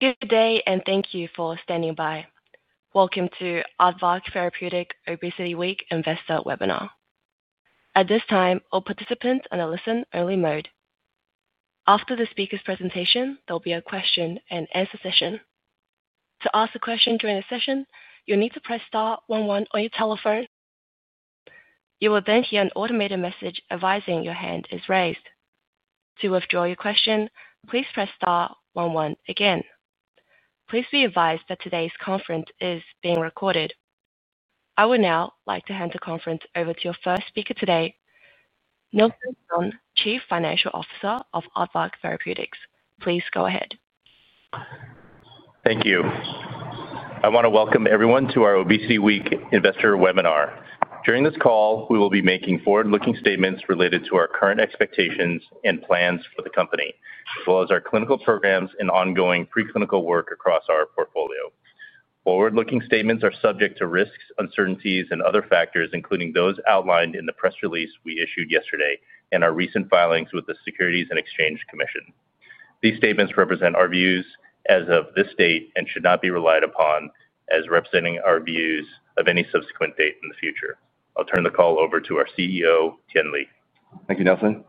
Good day, and thank you for standing by. Welcome to Aardvark Therapeutics Obesity Week Investor Webinar. At this time, all participants are in a listen-only mode. After the speaker's presentation, there will be a question-and-answer session. To ask a question during the session, you'll need to press star one one on your telephone. You will then hear an automated message advising your hand is raised. To withdraw your question, please press star one one again. Please be advised that today's conference is being recorded. I would now like to hand the conference over to your first speaker today. Nelson Sun, Chief Financial Officer of Aardvark Therapeutics. Please go ahead. Thank you. I want to Welcome everyone to our Obesity Week Investor Webinar. During this call, we will be making forward-looking statements related to our current expectations and plans for the company, as well as our clinical programs and ongoing preclinical work across our portfolio. Forward-looking statements are subject to risks, uncertainties, and other factors, including those outlined in the press release we issued yesterday and our recent filings with the Securities and Exchange Commission. These statements represent our views as of this date and should not be relied upon as representing our views of any subsequent date in the future. I'll turn the call over to our CEO, Tien Lee. Thank you, Nelson.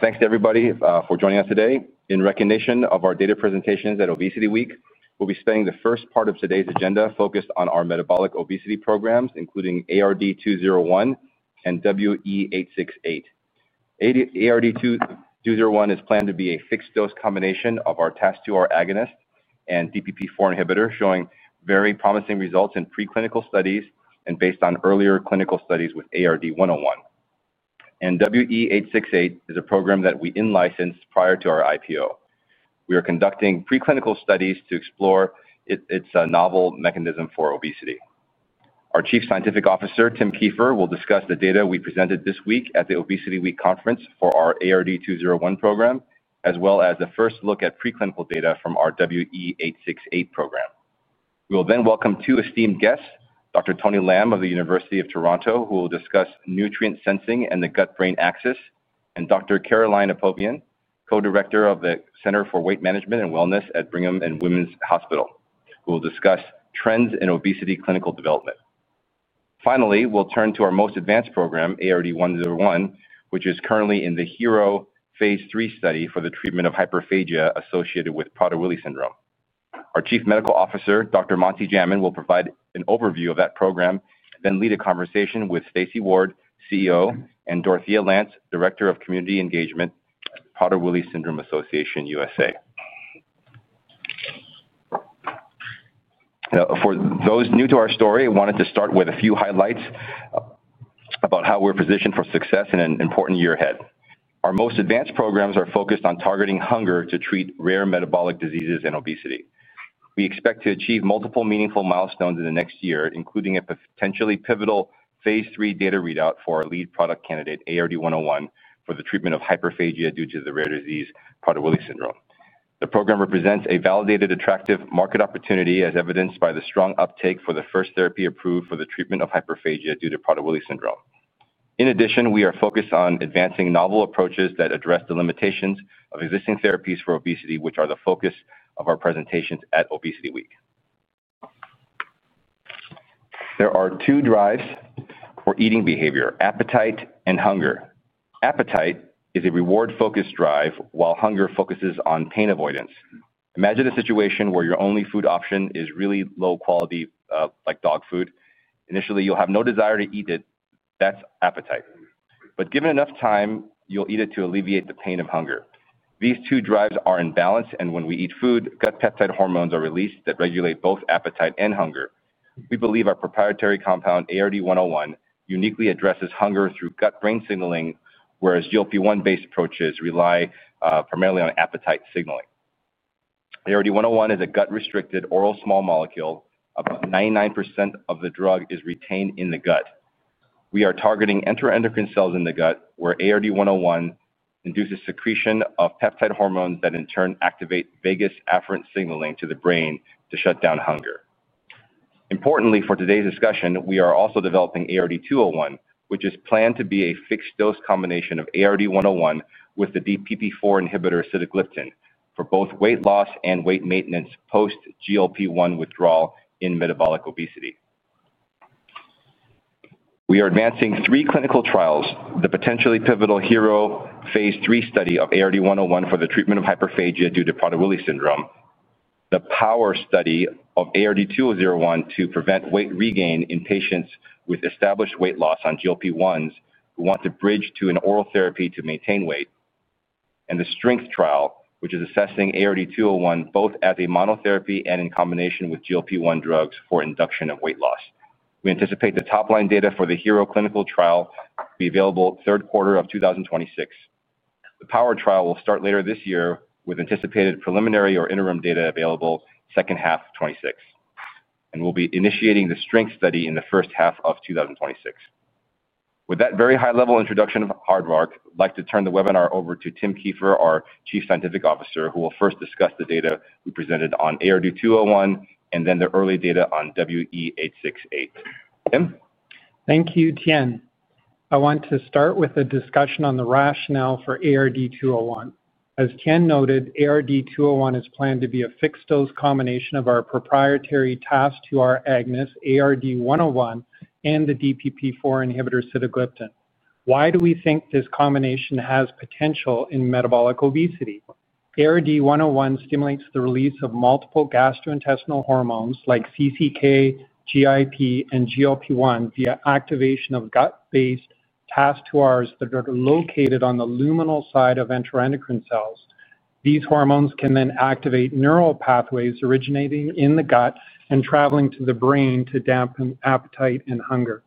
Thanks to everybody for joining us today. In recognition of our data presentations at Obesity Week, we'll be spending the first part of today's agenda focused on our metabolic obesity programs, including ARD-201 and WE-868. ARD-201 is planned to be a fixed-dose combination of our TAS2R agonist and DPP-4 inhibitor, showing very promising results in preclinical studies and based on earlier clinical studies with ARD-101. WE-868 is a program that we in-licensed prior to our IPO. We are conducting preclinical studies to explore its novel mechanism for obesity. Our Chief Scientific Officer, Tim Kieffer, will discuss the data we presented this week at the Obesity Week Conference for our ARD-201 program, as well as a first look at preclinical data from our WE-868 program. We will then welcome two esteemed guests, Dr. Tony Lam of the University of Toronto, who will discuss nutrient sensing and the gut-brain axis, and Dr. Caroline Apovian, Co-Director of the Center for Weight Management and Wellness at Brigham and Women's Hospital, who will discuss trends in obesity clinical development. Finally, we'll turn to our most advanced program, ARD-101, which is currently in the HERO phase III study for the treatment of hyperphagia associated with Prader-Willi Syndrome. Our Chief Medical Officer, Dr. Manasi Jaiman, will provide an overview of that program, then lead a conversation with Stacy Ward, CEO, and Dorothea Lantz, Director of Community Engagement, Prader-Willi Syndrome Association USA. For those new to our story, I wanted to start with a few highlights. About how we're positioned for success in an important year ahead. Our most advanced programs are focused on targeting hunger to treat rare metabolic diseases and obesity. We expect to achieve multiple meaningful milestones in the next year, including a potentially pivotal phase III data readout for our lead product candidate, ARD-101, for the treatment of hyperphagia due to the rare disease Prader-Willi Syndrome. The program represents a validated, attractive market opportunity, as evidenced by the strong uptake for the first therapy approved for the treatment of hyperphagia due to Prader-Willi Syndrome. In addition, we are focused on advancing novel approaches that address the limitations of existing therapies for obesity, which are the focus of our presentations at Obesity Week. There are two drives for eating behavior: appetite and hunger. Appetite is a reward-focused drive, while hunger focuses on pain avoidance. Imagine a situation where your only food option is really low quality, like dog food. Initially, you'll have no desire to eat it. That's appetite. Given enough time, you'll eat it to alleviate the pain of hunger. These two drives are in balance, and when we eat food, gut-peptide hormones are released that regulate both appetite and hunger. We believe our proprietary compound, ARD-101, uniquely addresses hunger through gut-brain signaling, whereas GLP-1-based approaches rely primarily on appetite signaling. ARD-101 is a gut-restricted oral small molecule. About 99% of the drug is retained in the gut. We are targeting enteroendocrine cells in the gut, where ARD-101 induces secretion of peptide hormones that, in turn, activate vagus afferent signaling to the brain to shut down hunger. Importantly, for today's discussion, we are also developing ARD-201, which is planned to be a fixed-dose combination of ARD-101 with the DPP-4 inhibitor, sitagliptin, for both weight loss and weight maintenance post-GLP-1 withdrawal in metabolic obesity. We are advancing three clinical trials: the potentially pivotal HERO phase III study of ARD-101 for the treatment of hyperphagia due to Prader-Willi Syndrome, the POWER study of ARD-201 to prevent weight regain in patients with established weight loss on GLP-1s who want to bridge to an oral therapy to maintain weight, and the STRENGTH trial, which is assessing ARD-201 both as a monotherapy and in combination with GLP-1 drugs for induction of weight loss. We anticipate the top-line data for the HERO clinical trial to be available third quarter of 2026. The POWER trial will start later this year, with anticipated preliminary or interim data available second half of 2026. We will be initiating the STRENGTH study in the first half of 2026. With that very high-level introduction of Aardvark, I'd like to turn the webinar over to Tim Kieffer, our Chief Scientific Officer, who will first discuss the data we presented on ARD-201 and then the early data on WE-868. Tim? Thank you, Tien. I want to start with a discussion on the rationale for ARD-201. As Tien noted, ARD-201 is planned to be a fixed-dose combination of our proprietary TAS2R agonist, ARD-101, and the DPP-4 inhibitor, sitagliptin. Why do we think this combination has potential in metabolic obesity? ARD-101 stimulates the release of multiple gastrointestinal hormones like CCK, GIP, and GLP-1 via activation of gut-based TAS2Rs that are located on the luminal side of enteroendocrine cells. These hormones can then activate neural pathways originating in the gut and traveling to the brain to dampen appetite and hunger.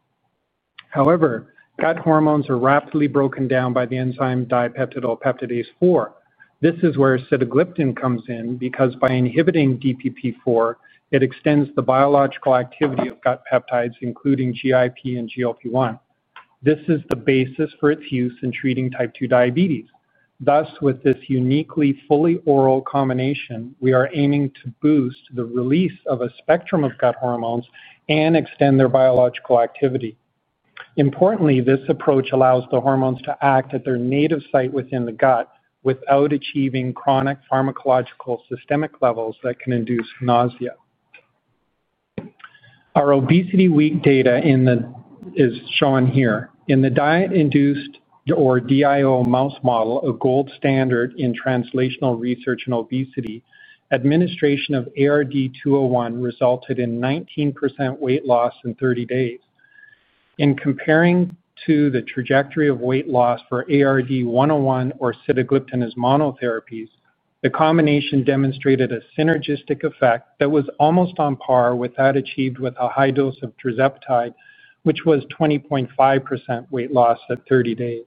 However, gut hormones are rapidly broken down by the enzyme dipeptidyl peptidase-4. This is where sitagliptin comes in because, by inhibiting DPP-4, it extends the biological activity of gut-peptides, including GIP and GLP-1. This is the basis for its use in treating type 2 diabetes. Thus, with this uniquely fully oral combination, we are aiming to boost the release of a spectrum of gut hormones and extend their biological activity. Importantly, this approach allows the hormones to act at their native site within the gut without achieving chronic pharmacological systemic levels that can induce nausea. Our Obesity Week data is shown here. In the diet-induced or DIO mouse model, a gold standard in translational research in obesity, administration of ARD-201 resulted in 19% weight loss in 30 days. In comparing to the trajectory of weight loss for ARD-101 or sitagliptin as monotherapies, the combination demonstrated a synergistic effect that was almost on par with that achieved with a high dose of tirzepatide, which was 20.5% weight loss at 30 days.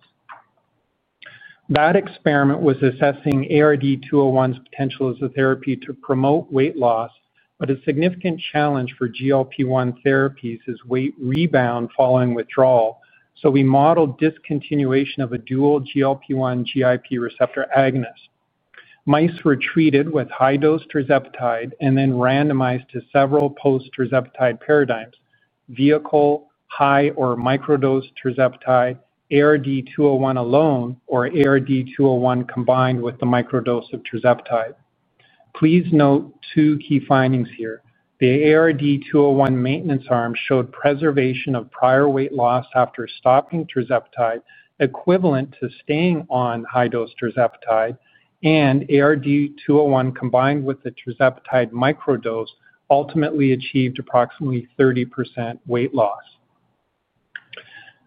That experiment was assessing ARD-201's potential as a therapy to promote weight loss, but a significant challenge for GLP-1 therapies is weight rebound following withdrawal. We modeled discontinuation of a dual GLP-1/GIP receptor agonist. Mice were treated with high-dose tirzepatide and then randomized to several post-tirzepatide paradigms: vehicle, high, or microdose tirzepatide, ARD-201 alone, or ARD-201 combined with the microdose of tirzepatide. Please note two key findings here. The ARD-201 maintenance arm showed preservation of prior weight loss after stopping tirzepatide, equivalent to staying on high-dose tirzepatide, and ARD-201 combined with the tirzepatide microdose ultimately achieved approximately 30% weight loss.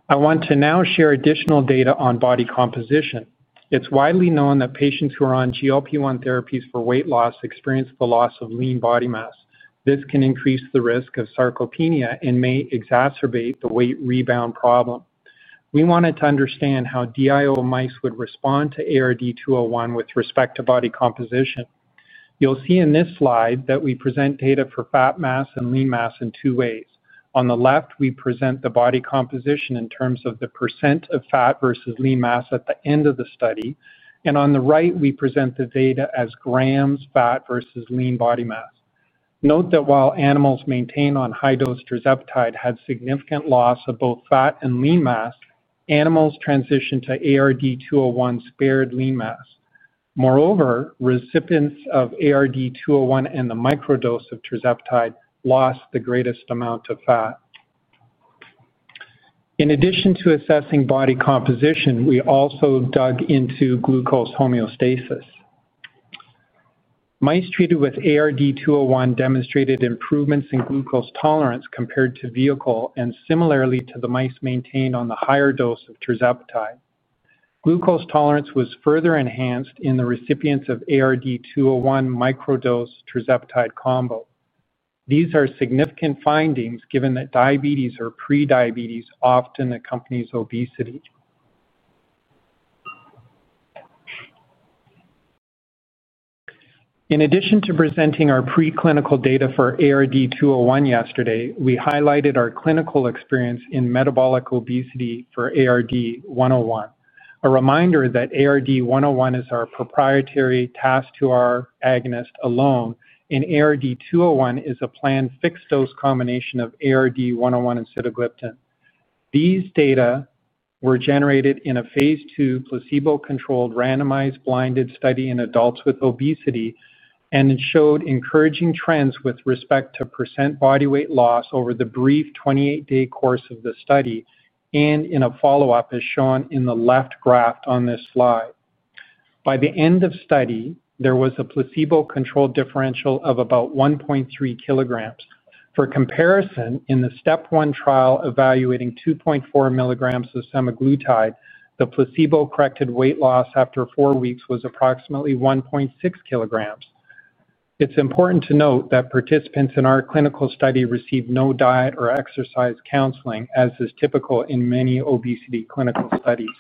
I want to now share additional data on body composition. It is widely known that patients who are on GLP-1 therapies for weight loss experience the loss of lean body mass. This can increase the risk of sarcopenia and may exacerbate the weight rebound problem. We wanted to understand how DIO mice would respond to ARD-201 with respect to body composition. You'll see in this slide that we present data for fat mass and lean mass in two ways. On the left, we present the body composition in terms of the percent of fat versus lean mass at the end of the study. On the right, we present the data as grams fat versus lean body mass. Note that while animals maintained on high-dose tirzepatide had significant loss of both fat and lean mass, animals transitioned to ARD-201 spared lean mass. Moreover, recipients of ARD-201 and the microdose of tirzepatide lost the greatest amount of fat. In addition to assessing body composition, we also dug into glucose homeostasis. Mice treated with ARD-201 demonstrated improvements in glucose tolerance compared to vehicle and similarly to the mice maintained on the higher dose of tirzepatide. Glucose tolerance was further enhanced in the recipients of ARD-201 microdose tirzepatide combo. These are significant findings given that diabetes or pre-diabetes often accompanies obesity. In addition to presenting our preclinical data for ARD-201 yesterday, we highlighted our clinical experience in metabolic obesity for ARD-101. A reminder that ARD-101 is our proprietary TAS2R agonist alone, and ARD-201 is a planned fixed-dose combination of ARD-101 and sitagliptin. These data were generated in a phase II placebo-controlled randomized blinded study in adults with obesity, and it showed encouraging trends with respect to percent body weight loss over the brief 28-day course of the study and in a follow-up, as shown in the left graph on this slide. By the end of study, there was a placebo-controlled differential of about 1.3 kg. For comparison, in the step one trial evaluating 2.4 milligrams of semaglutide, the placebo-corrected weight loss after four weeks was approximately 1.6 kg. It's important to note that participants in our clinical study received no diet or exercise counseling, as is typical in many obesity clinical studies.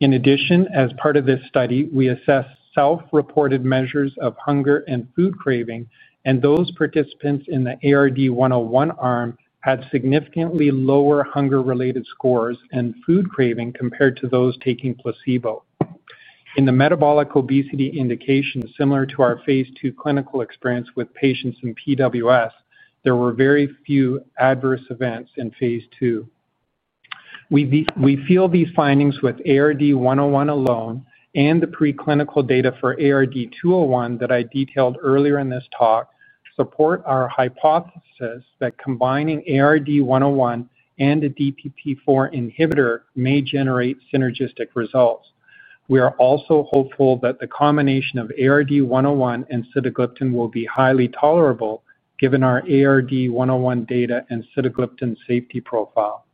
In addition, as part of this study, we assessed self-reported measures of hunger and food craving, and those participants in the ARD-101 arm had significantly lower hunger-related scores and food craving compared to those taking placebo. In the metabolic obesity indication, similar to our phase II clinical experience with patients in PWS, there were very few adverse events in phase II. We feel these findings with ARD-101 alone and the preclinical data for ARD-201 that I detailed earlier in this talk support our hypothesis that combining ARD-101 and a DPP-4 inhibitor may generate synergistic results. We are also hopeful that the combination of ARD-101 and sitagliptin will be highly tolerable, given our ARD-101 data and sitagliptin safety profile.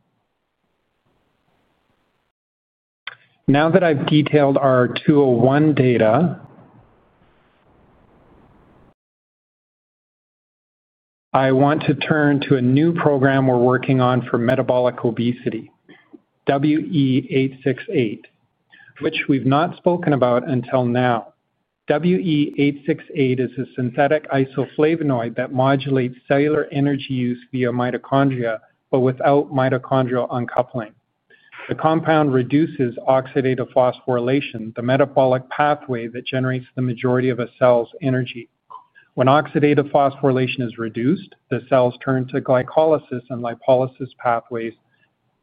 Now that I've detailed our 201 data, I want to turn to a new program we're working on for metabolic obesity, WE-868, which we've not spoken about until now. WE-868 is a synthetic isoflavonoid that modulates cellular energy use via mitochondria but without mitochondrial uncoupling. The compound reduces oxidative phosphorylation, the metabolic pathway that generates the majority of a cell's energy. When oxidative phosphorylation is reduced, the cells turn to glycolysis and lipolysis pathways,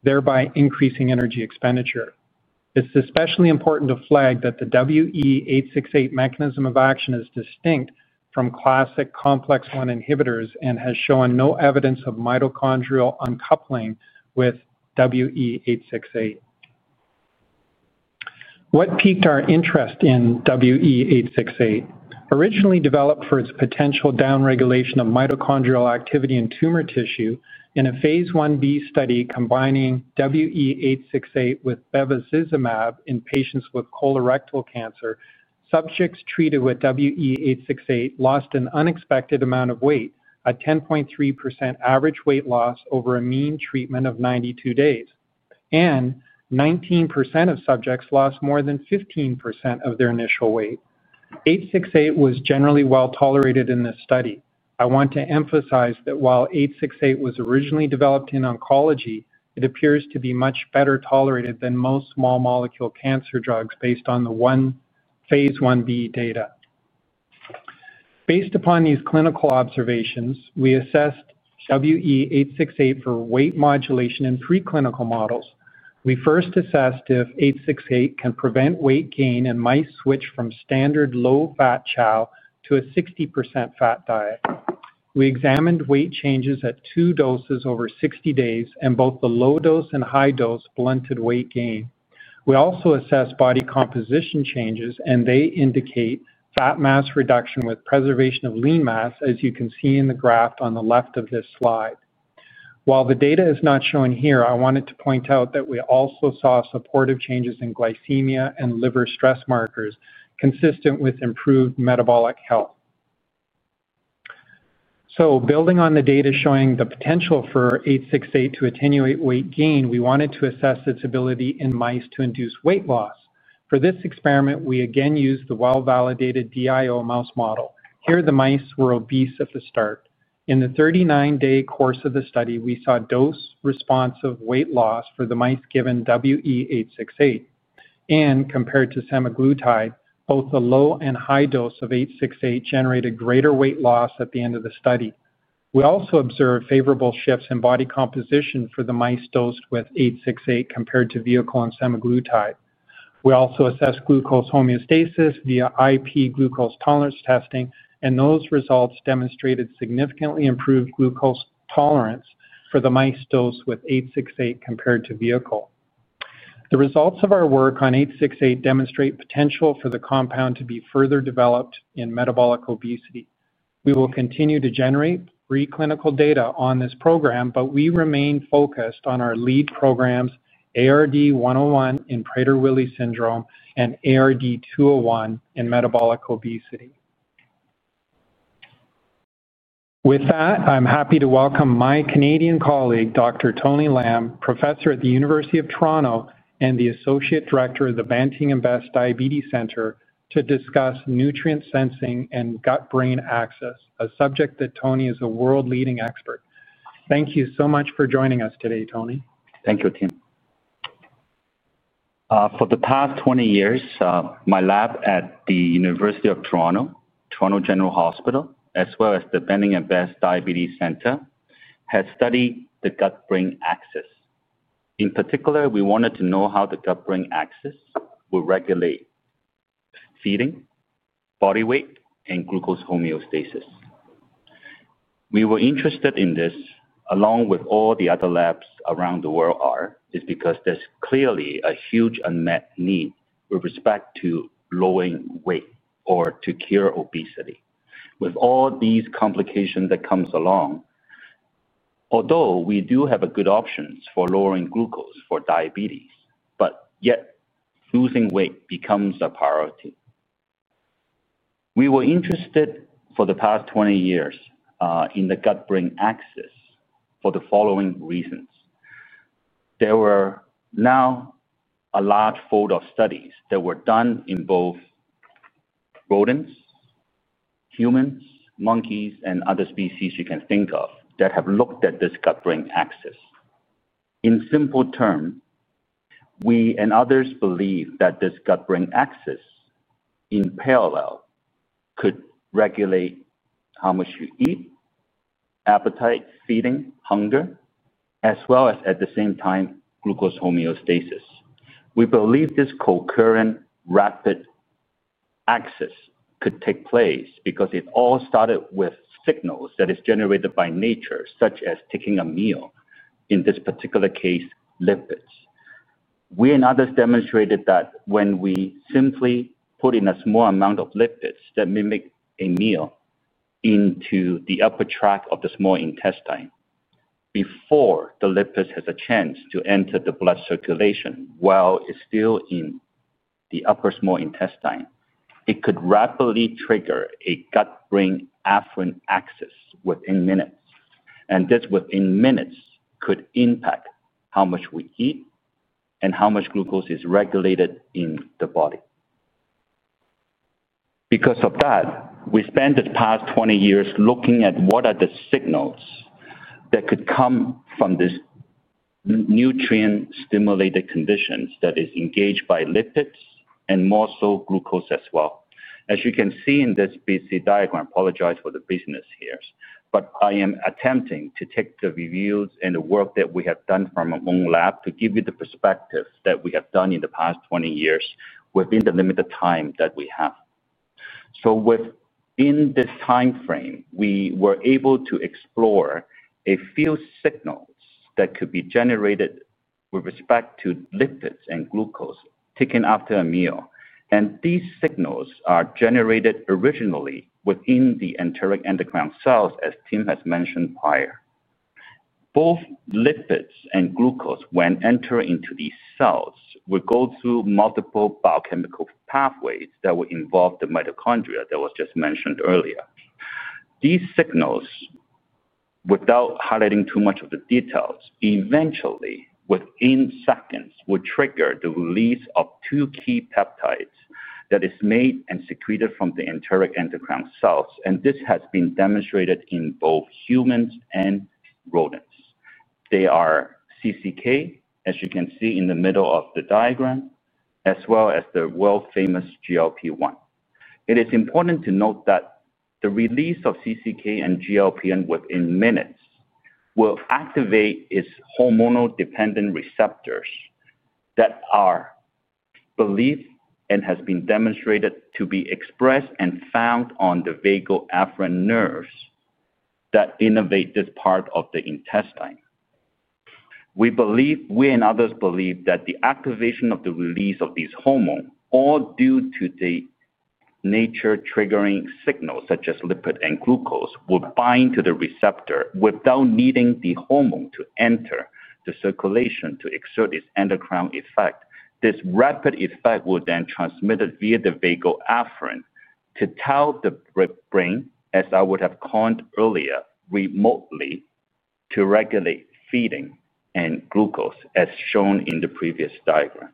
thereby increasing energy expenditure. It's especially important to flag that the WE-868 mechanism of action is distinct from classic complex I inhibitors and has shown no evidence of mitochondrial uncoupling with WE-868. What piqued our interest in WE-868? Originally developed for its potential downregulation of mitochondrial activity in tumor tissue, in a phase I-b study combining WE-868 with bevacizumab in patients with colorectal cancer, subjects treated with WE-868 lost an unexpected amount of weight, a 10.3% average weight loss over a mean treatment of 92 days. 19% of subjects lost more than 15% of their initial weight. WE-868 was generally well tolerated in this study. I want to emphasize that while WE-868 was originally developed in oncology, it appears to be much better tolerated than most small molecule cancer drugs based on the one phase I-b data. Based upon these clinical observations, we assessed WE-868 for weight modulation in preclinical models. We first assessed if WE-868 can prevent weight gain in mice switched from standard low-fat chow to a 60% fat diet. We examined weight changes at two doses over 60 days, and both the low dose and high dose blunted weight gain. We also assessed body composition changes, and they indicate fat mass reduction with preservation of lean mass, as you can see in the graph on the left of this slide. While the data is not shown here, I wanted to point out that we also saw supportive changes in glycemia and liver stress markers consistent with improved metabolic health. Building on the data showing the potential for WE-868 to attenuate weight gain, we wanted to assess its ability in mice to induce weight loss. For this experiment, we again used the well-validated DIO mouse model. Here, the mice were obese at the start. In the 39-day course of the study, we saw dose-responsive weight loss for the mice given WE-868. Compared to semaglutide, both the low and high dose of 868 generated greater weight loss at the end of the study. We also observed favorable shifts in body composition for the mice dosed with 868 compared to vehicle and semaglutide. We also assessed glucose homeostasis via IP glucose tolerance testing, and those results demonstrated significantly improved glucose tolerance for the mice dosed with 868 compared to vehicle. The results of our work on 868 demonstrate potential for the compound to be further developed in metabolic obesity. We will continue to generate preclinical data on this program, but we remain focused on our lead programs, ARD-101 in Prader-Willi Syndrome and ARD-201 in metabolic obesity. With that, I'm happy to welcome my Canadian colleague, Dr. Tony Lam, professor at the University of Toronto and the associate director of the Banting and Best Diabetes Centre, to discuss nutrient sensing and gut-brain axis, a subject that Tony is a world-leading expert. Thank you so much for joining us today, Tony. Thank you, Tim. For the past 20 years, my lab at the University of Toronto, Toronto General Hospital, as well as the Banting and Best Diabetes Centre, has studied the gut-brain axis. In particular, we wanted to know how the gut-brain axis would regulate feeding, body weight, and glucose homeostasis. We were interested in this, along with all the other labs around the world are, is because there is clearly a huge unmet need with respect to lowering weight or to cure obesity, with all these complications that come along. Although we do have good options for lowering glucose for diabetes, yet losing weight becomes a priority. We were interested for the past 20 years in the gut-brain axis for the following reasons. There were now a large fold of studies that were done in both. Rodents, humans, monkeys, and other species you can think of that have looked at this gut-brain axis. In simple terms, we and others believe that this gut-brain axis in parallel could regulate how much you eat. Appetite, feeding, hunger, as well as, at the same time, glucose homeostasis. We believe this concurrent, rapid axis could take place because it all started with signals that are generated by nature, such as taking a meal. In this particular case, lipids. We and others demonstrated that when we simply put in a small amount of lipids that mimic a meal into the upper tract of the small intestine, before the lipids have a chance to enter the blood circulation while it's still in the upper small intestine, it could rapidly trigger a gut-brain afferent axis within minutes. This, within minutes, could impact how much we eat and how much glucose is regulated in the body. Because of that, we spent the past 20 years looking at what are the signals that could come from this. Nutrient-stimulated conditions that are engaged by lipids and more so glucose as well. As you can see in this busy diagram, I apologize for the busyness here, but I am attempting to take the reviews and the work that we have done from our own lab to give you the perspective that we have done in the past 20 years within the limited time that we have. Within this time frame, we were able to explore a few signals that could be generated with respect to lipids and glucose taken after a meal. These signals are generated originally within the enteric endocrine cells, as Tim has mentioned prior. Both lipids and glucose, when entering into these cells, would go through multiple biochemical pathways that would involve the mitochondria that was just mentioned earlier. These signals, without highlighting too much of the details, eventually, within seconds, would trigger the release of two key peptides that are made and secreted from the enteric endocrine cells. This has been demonstrated in both humans and rodents. They are CCK, as you can see in the middle of the diagram, as well as the world-famous GLP-1. It is important to note that the release of CCK and GLP-1 within minutes will activate hormonal-dependent receptors that are believed and has been demonstrated to be expressed and found on the vagal afferent nerves that innervate this part of the intestine. We believe, we and others believe, that the activation of the release of these hormones, all due to the. Nature-triggering signals such as lipid and glucose will bind to the receptor without needing the hormone to enter the circulation to exert its endocrine effect. This rapid effect will then transmit via the vagal afferent to tell the brain, as I would have coined earlier, remotely to regulate feeding and glucose, as shown in the previous diagram.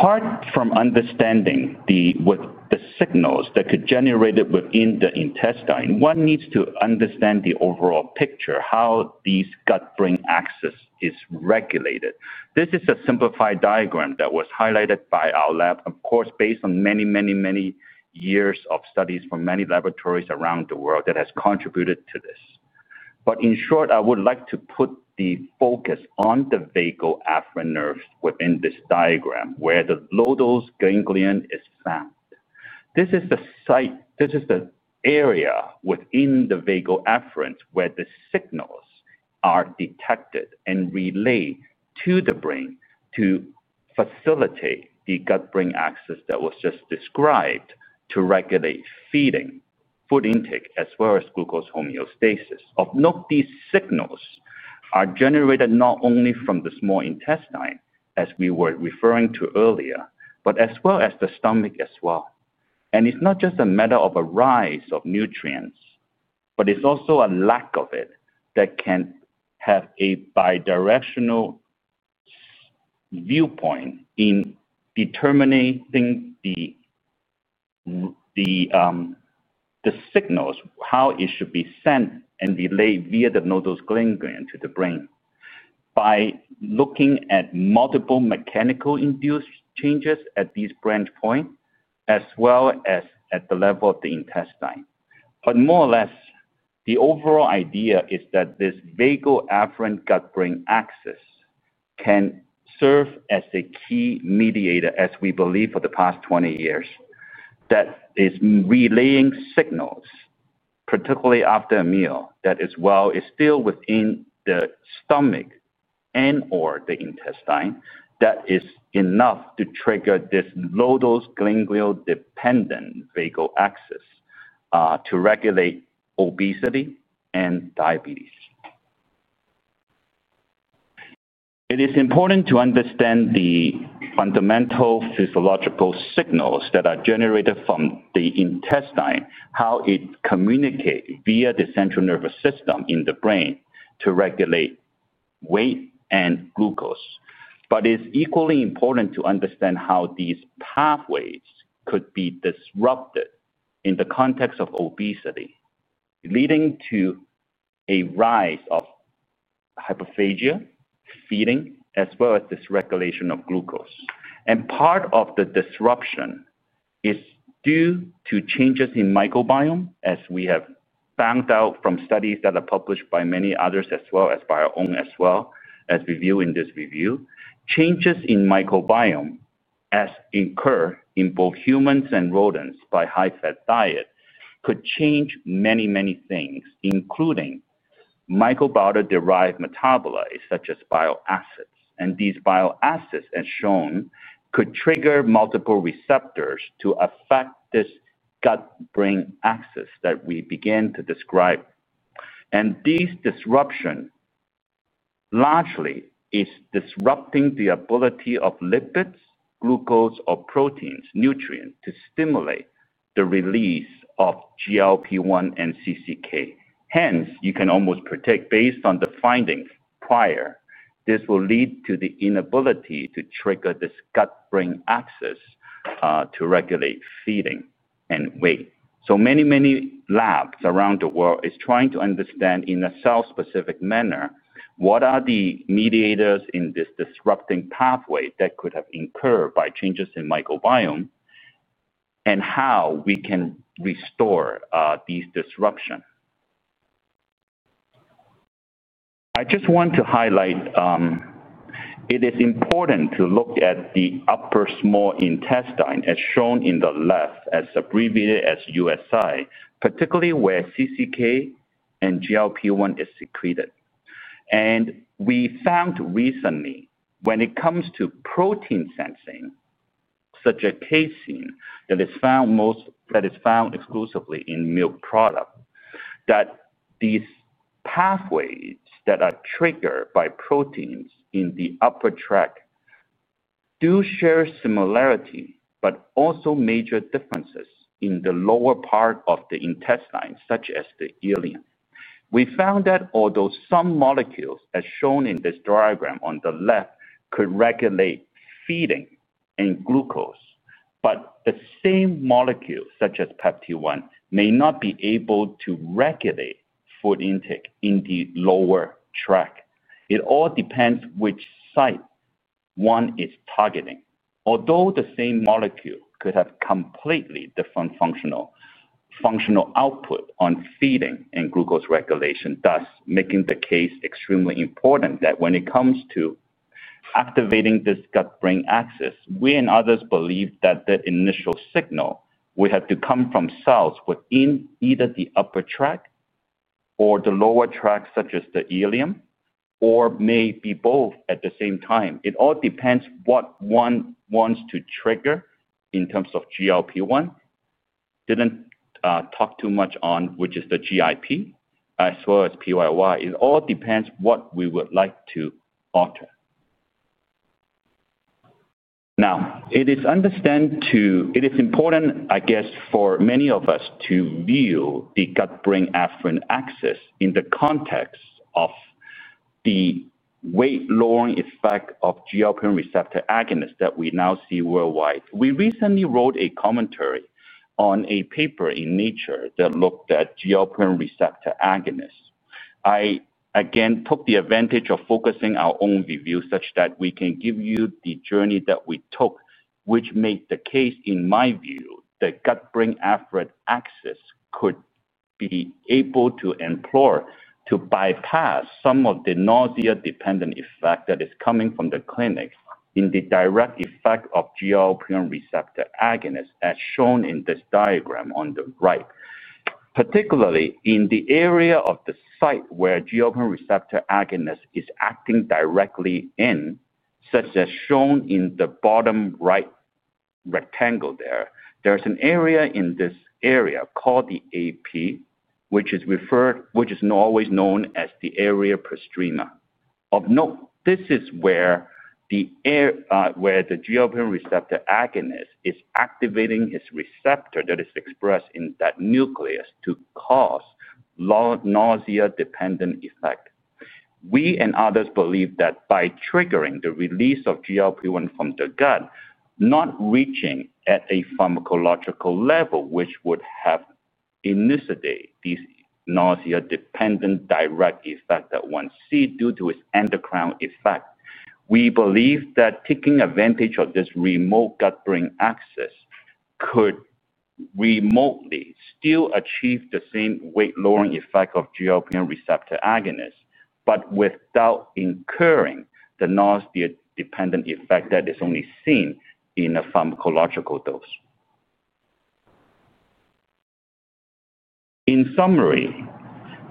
Apart from understanding the signals that are generated within the intestine, one needs to understand the overall picture, how these gut-brain axis are regulated. This is a simplified diagram that was highlighted by our lab, of course, based on many years of studies from many laboratories around the world that have contributed to this. In short, I would like to put the focus on the vagal afferent nerves within this diagram, where the nodose ganglion is found. This is the site, this is the area within the vagal afferent where the signals are detected and relayed to the brain to facilitate the gut-brain axis that was just described to regulate feeding, food intake, as well as glucose homeostasis. Of note, these signals are generated not only from the small intestine, as we were referring to earlier, but as well as the stomach as well. It is not just a matter of a rise of nutrients, but it is also a lack of it that can have a bidirectional viewpoint in determining the signals, how it should be sent and relayed via the nodose ganglion to the brain. By looking at multiple mechanical-induced changes at these branch points, as well as at the level of the intestine. More or less, the overall idea is that this vagal afferent gut-brain axis can serve as a key mediator, as we believe for the past 20 years, that is relaying signals, particularly after a meal, that is, while it's still within the stomach and/or the intestine, that is enough to trigger this nodose ganglion-dependent vagal axis to regulate obesity and diabetes. It is important to understand the fundamental physiological signals that are generated from the intestine, how it communicates via the central nervous system in the brain to regulate weight and glucose. It is equally important to understand how these pathways could be disrupted in the context of obesity, leading to a rise of hyperphagia, feeding, as well as dysregulation of glucose. Part of the disruption is due to changes in microbiome, as we have found out from studies that are published by many others, as well as by our own as well, as we view in this review. Changes in microbiome, as incurred in both humans and rodents by high-fat diet, could change many, many things, including microbiota-derived metabolites such as bile acids. These bile acids, as shown, could trigger multiple receptors to affect this gut-brain axis that we began to describe. This disruption largely is disrupting the ability of lipids, glucose, or proteins, nutrients, to stimulate the release of GLP-1 and CCK. Hence, you can almost predict, based on the findings prior, this will lead to the inability to trigger this gut-brain axis to regulate feeding and weight. Many, many labs around the world are trying to understand, in a cell-specific manner, what are the mediators in this disrupting pathway that could have incurred by changes in microbiome. How we can restore these disruptions. I just want to highlight. It is important to look at the upper small intestine, as shown in the left, as abbreviated as USI, particularly where CCK and GLP-1 are secreted. We found recently, when it comes to protein sensing, such as casein, that is found exclusively in milk products, that these pathways that are triggered by proteins in the upper tract do share similarity but also major differences in the lower part of the intestine, such as the ileum. We found that although some molecules, as shown in this diagram on the left, could regulate feeding and glucose, the same molecules, such as PEPT 1, may not be able to regulate food intake in the lower tract. It all depends which site one is targeting. Although the same molecule could have completely different functional output on feeding and glucose regulation, thus making the case extremely important that when it comes to activating this gut-brain axis, we and others believe that the initial signal would have to come from cells within either the upper tract or the lower tract, such as the ileum, or maybe both at the same time. It all depends what one wants to trigger in terms of GLP-1. Did not talk too much on, which is the GIP, as well as PYY. It all depends what we would like to alter. Now, it is understood to, it is important, I guess, for many of us to view the gut-brain afferent axis in the context of the weight-lowering effect of GLP-1 receptor agonists that we now see worldwide. We recently wrote a commentary on a paper in Nature that looked at GLP-1 receptor agonists. I, again, took the advantage of focusing our own review such that we can give you the journey that we took, which made the case, in my view, that gut-brain afferent axis could be able to employ to bypass some of the nausea-dependent effect that is coming from the clinic in the direct effect of GLP-1 receptor agonists, as shown in this diagram on the right. Particularly in the area of the site where GLP-1 receptor agonist is acting directly in, such as shown in the bottom right. Rectangle there, there's an area in this area called the AP, which is referred, which is always known as the area postrema. Of note, this is where the GLP-1 receptor agonist is activating its receptor that is expressed in that nucleus to cause nausea-dependent effect. We and others believe that by triggering the release of GLP-1 from the gut, not reaching at a pharmacological level, which would have elucidated these nausea-dependent direct effects that one sees due to its endocrine effect, we believe that taking advantage of this remote gut-brain axis could remotely still achieve the same weight-lowering effect of GLP-1 receptor agonists, but without incurring the nausea-dependent effect that is only seen in a pharmacological dose. In summary.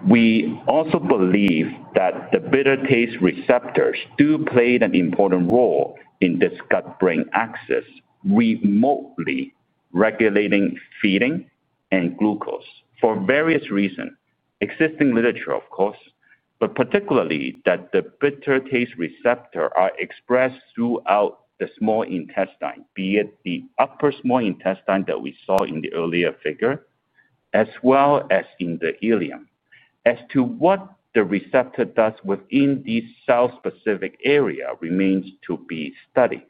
We also believe that the bitter taste receptors do play an important role in this gut-brain axis, remotely regulating feeding and glucose for various reasons, existing literature, of course, but particularly that the bitter taste receptors are expressed throughout the small intestine, be it the upper small intestine that we saw in the earlier figure, as well as in the ileum. As to what the receptor does within these cell-specific areas remains to be studied.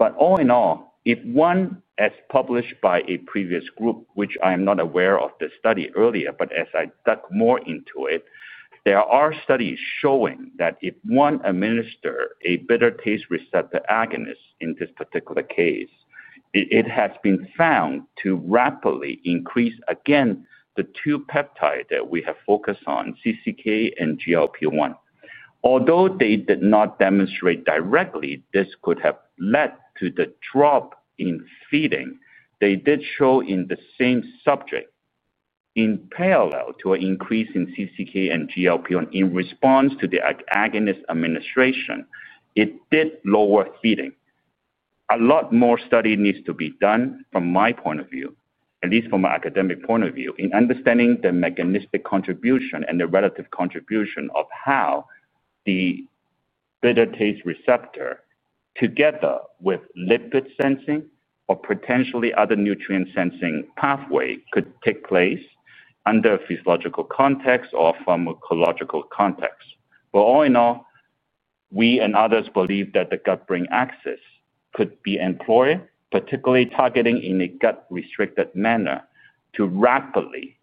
All in all, if one, as published by a previous group, which I am not aware of the study earlier, but as I dug more into it, there are studies showing that if one administers a bitter taste receptor agonist in this particular case, it has been found to rapidly increase against the two peptides that we have focused on, CCK and GLP-1. Although they did not demonstrate directly this could have led to the drop in feeding, they did show in the same subject. In parallel to an increase in CCK and GLP-1 in response to the agonist administration, it did lower feeding. A lot more study needs to be done, from my point of view, at least from an academic point of view, in understanding the mechanistic contribution and the relative contribution of how the bitter taste receptor, together with lipid sensing or potentially other nutrient-sensing pathways, could take place under a physiological context or pharmacological context. All in all, we and others believe that the gut-brain axis could be employed, particularly targeting in a gut-restricted manner, to rapidly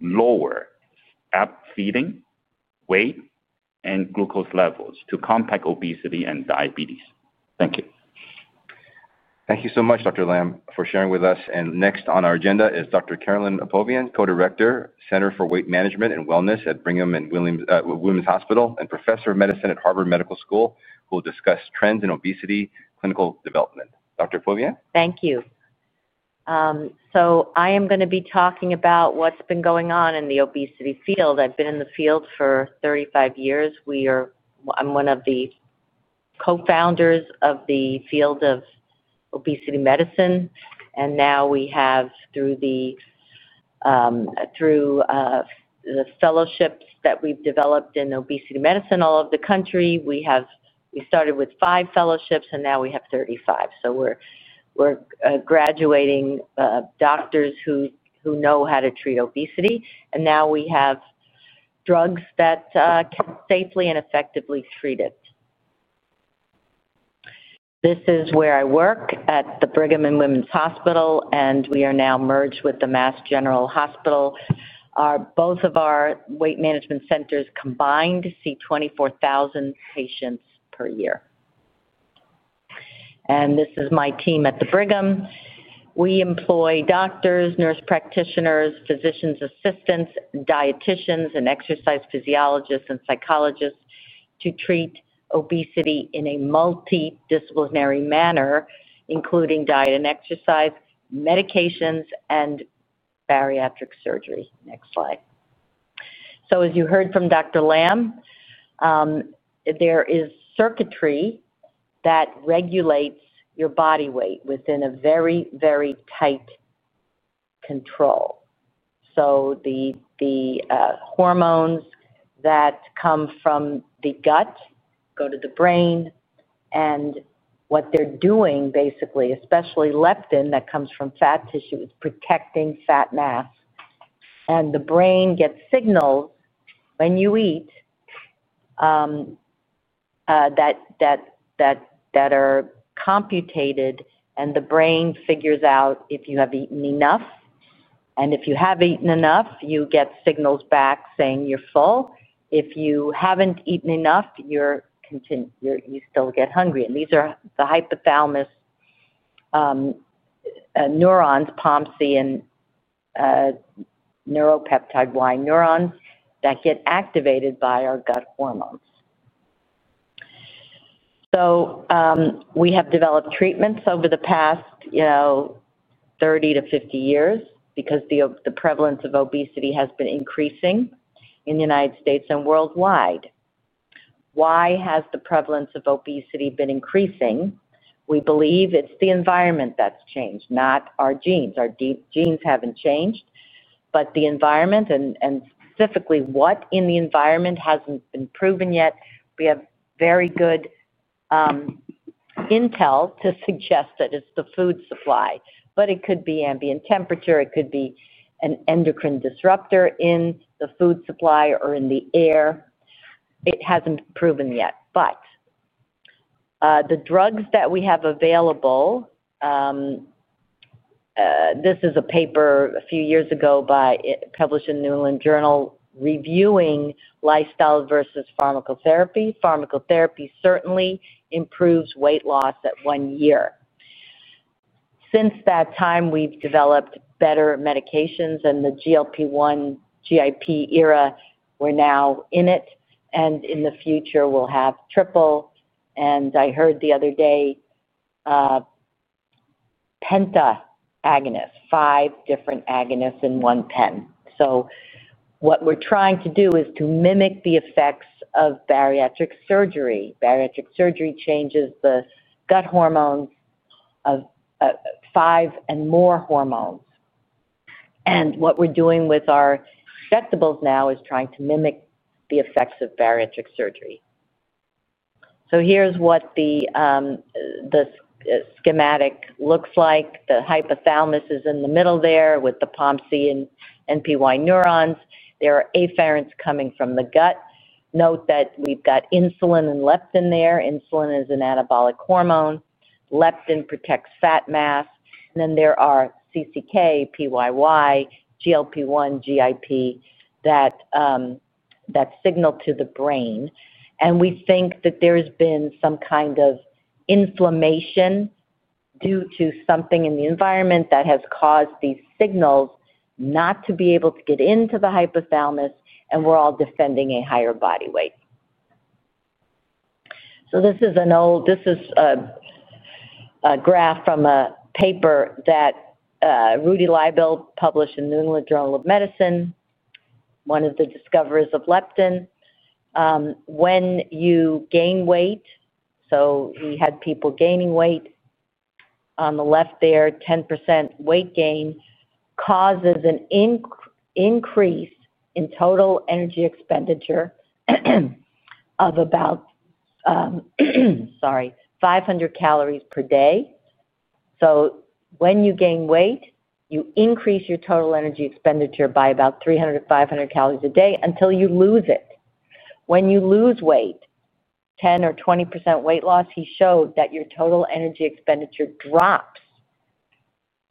lower feeding, weight, and glucose levels to combat obesity and diabetes. Thank you. Thank you so much, Dr. Lam, for sharing with us. Next on our agenda is Dr. Caroline Apovian, co-director, Center for Weight Management and Wellness at Brigham and Women's Hospital, and professor of medicine at Harvard Medical School, who will discuss trends in obesity clinical development. Dr. Apovian? Thank you. I am going to be talking about what's been going on in the obesity field. I've been in the field for 35 years. I'm one of the co-founders of the field of obesity medicine. Now we have, through the fellowships that we've developed in obesity medicine all over the country, we started with five fellowships, and now we have 35. We're graduating doctors who know how to treat obesity. Now we have drugs that can safely and effectively treat it. This is where I work at the Brigham and Women's Hospital, and we are now merged with the Mass General Hospital. Both of our weight management centers combined see 24,000 patients per year. This is my team at the Brigham. We employ doctors, nurse practitioners, physician's assistants, dieticians, exercise physiologists, and psychologists to treat obesity in a multidisciplinary manner, including diet and exercise, medications, and bariatric surgery. Next slide. As you heard from Dr. Lam, there is circuitry that regulates your body weight within a very, very tight control. The hormones that come from the gut go to the brain. What they are doing, basically, especially leptin that comes from fat tissue, is protecting fat mass. The brain gets signals when you eat that are computated, and the brain figures out if you have eaten enough. If you have eaten enough, you get signals back saying you are full. If you have not eaten enough, you still get hungry. These are the hypothalamus neurons, POMC and. Neuropeptide Y neurons, that get activated by our gut hormones. We have developed treatments over the past 30 years-50 years because the prevalence of obesity has been increasing in the United States and worldwide. Why has the prevalence of obesity been increasing? We believe it is the environment that has changed, not our genes. Our genes have not changed, but the environment, and specifically what in the environment, has not been proven yet. We have very good intel to suggest that it is the food supply. It could be ambient temperature. It could be an endocrine disruptor in the food supply or in the air. It has not been proven yet. The drugs that we have available—this is a paper a few years ago published in the New England Journal reviewing lifestyle versus pharmacotherapy. Pharmacotherapy certainly improves weight loss at one year. Since that time, we have developed better medications. The GLP-1, GIP era, we're now in it. In the future, we'll have triple. I heard the other day, penta agonists, five different agonists in one pen. What we're trying to do is to mimic the effects of bariatric surgery. Bariatric surgery changes the gut hormones of five and more hormones. What we're doing with our injectables now is trying to mimic the effects of bariatric surgery. Here's what the schematic looks like. The hypothalamus is in the middle there with the POMC and NPY neurons. There are afferents coming from the gut. Note that we've got insulin and leptin there. Insulin is an anabolic hormone. Leptin protects fat mass. There are CCK, PYY, GLP-1, GIP that signal to the brain. We think that there has been some kind of. Inflammation due to something in the environment that has caused these signals not to be able to get into the hypothalamus, and we're all defending a higher body weight. This is an old, this is a graph from a paper that Rudy Leibel published in the New England Journal of Medicine. One of the discoveries of leptin. When you gain weight, so he had people gaining weight. On the left there, 10% weight gain causes an increase in total energy expenditure of about, sorry, 500 calories per day. When you gain weight, you increase your total energy expenditure by about 300 calories-500 calories a day until you lose it. When you lose weight, 10% or 20% weight loss, he showed that your total energy expenditure drops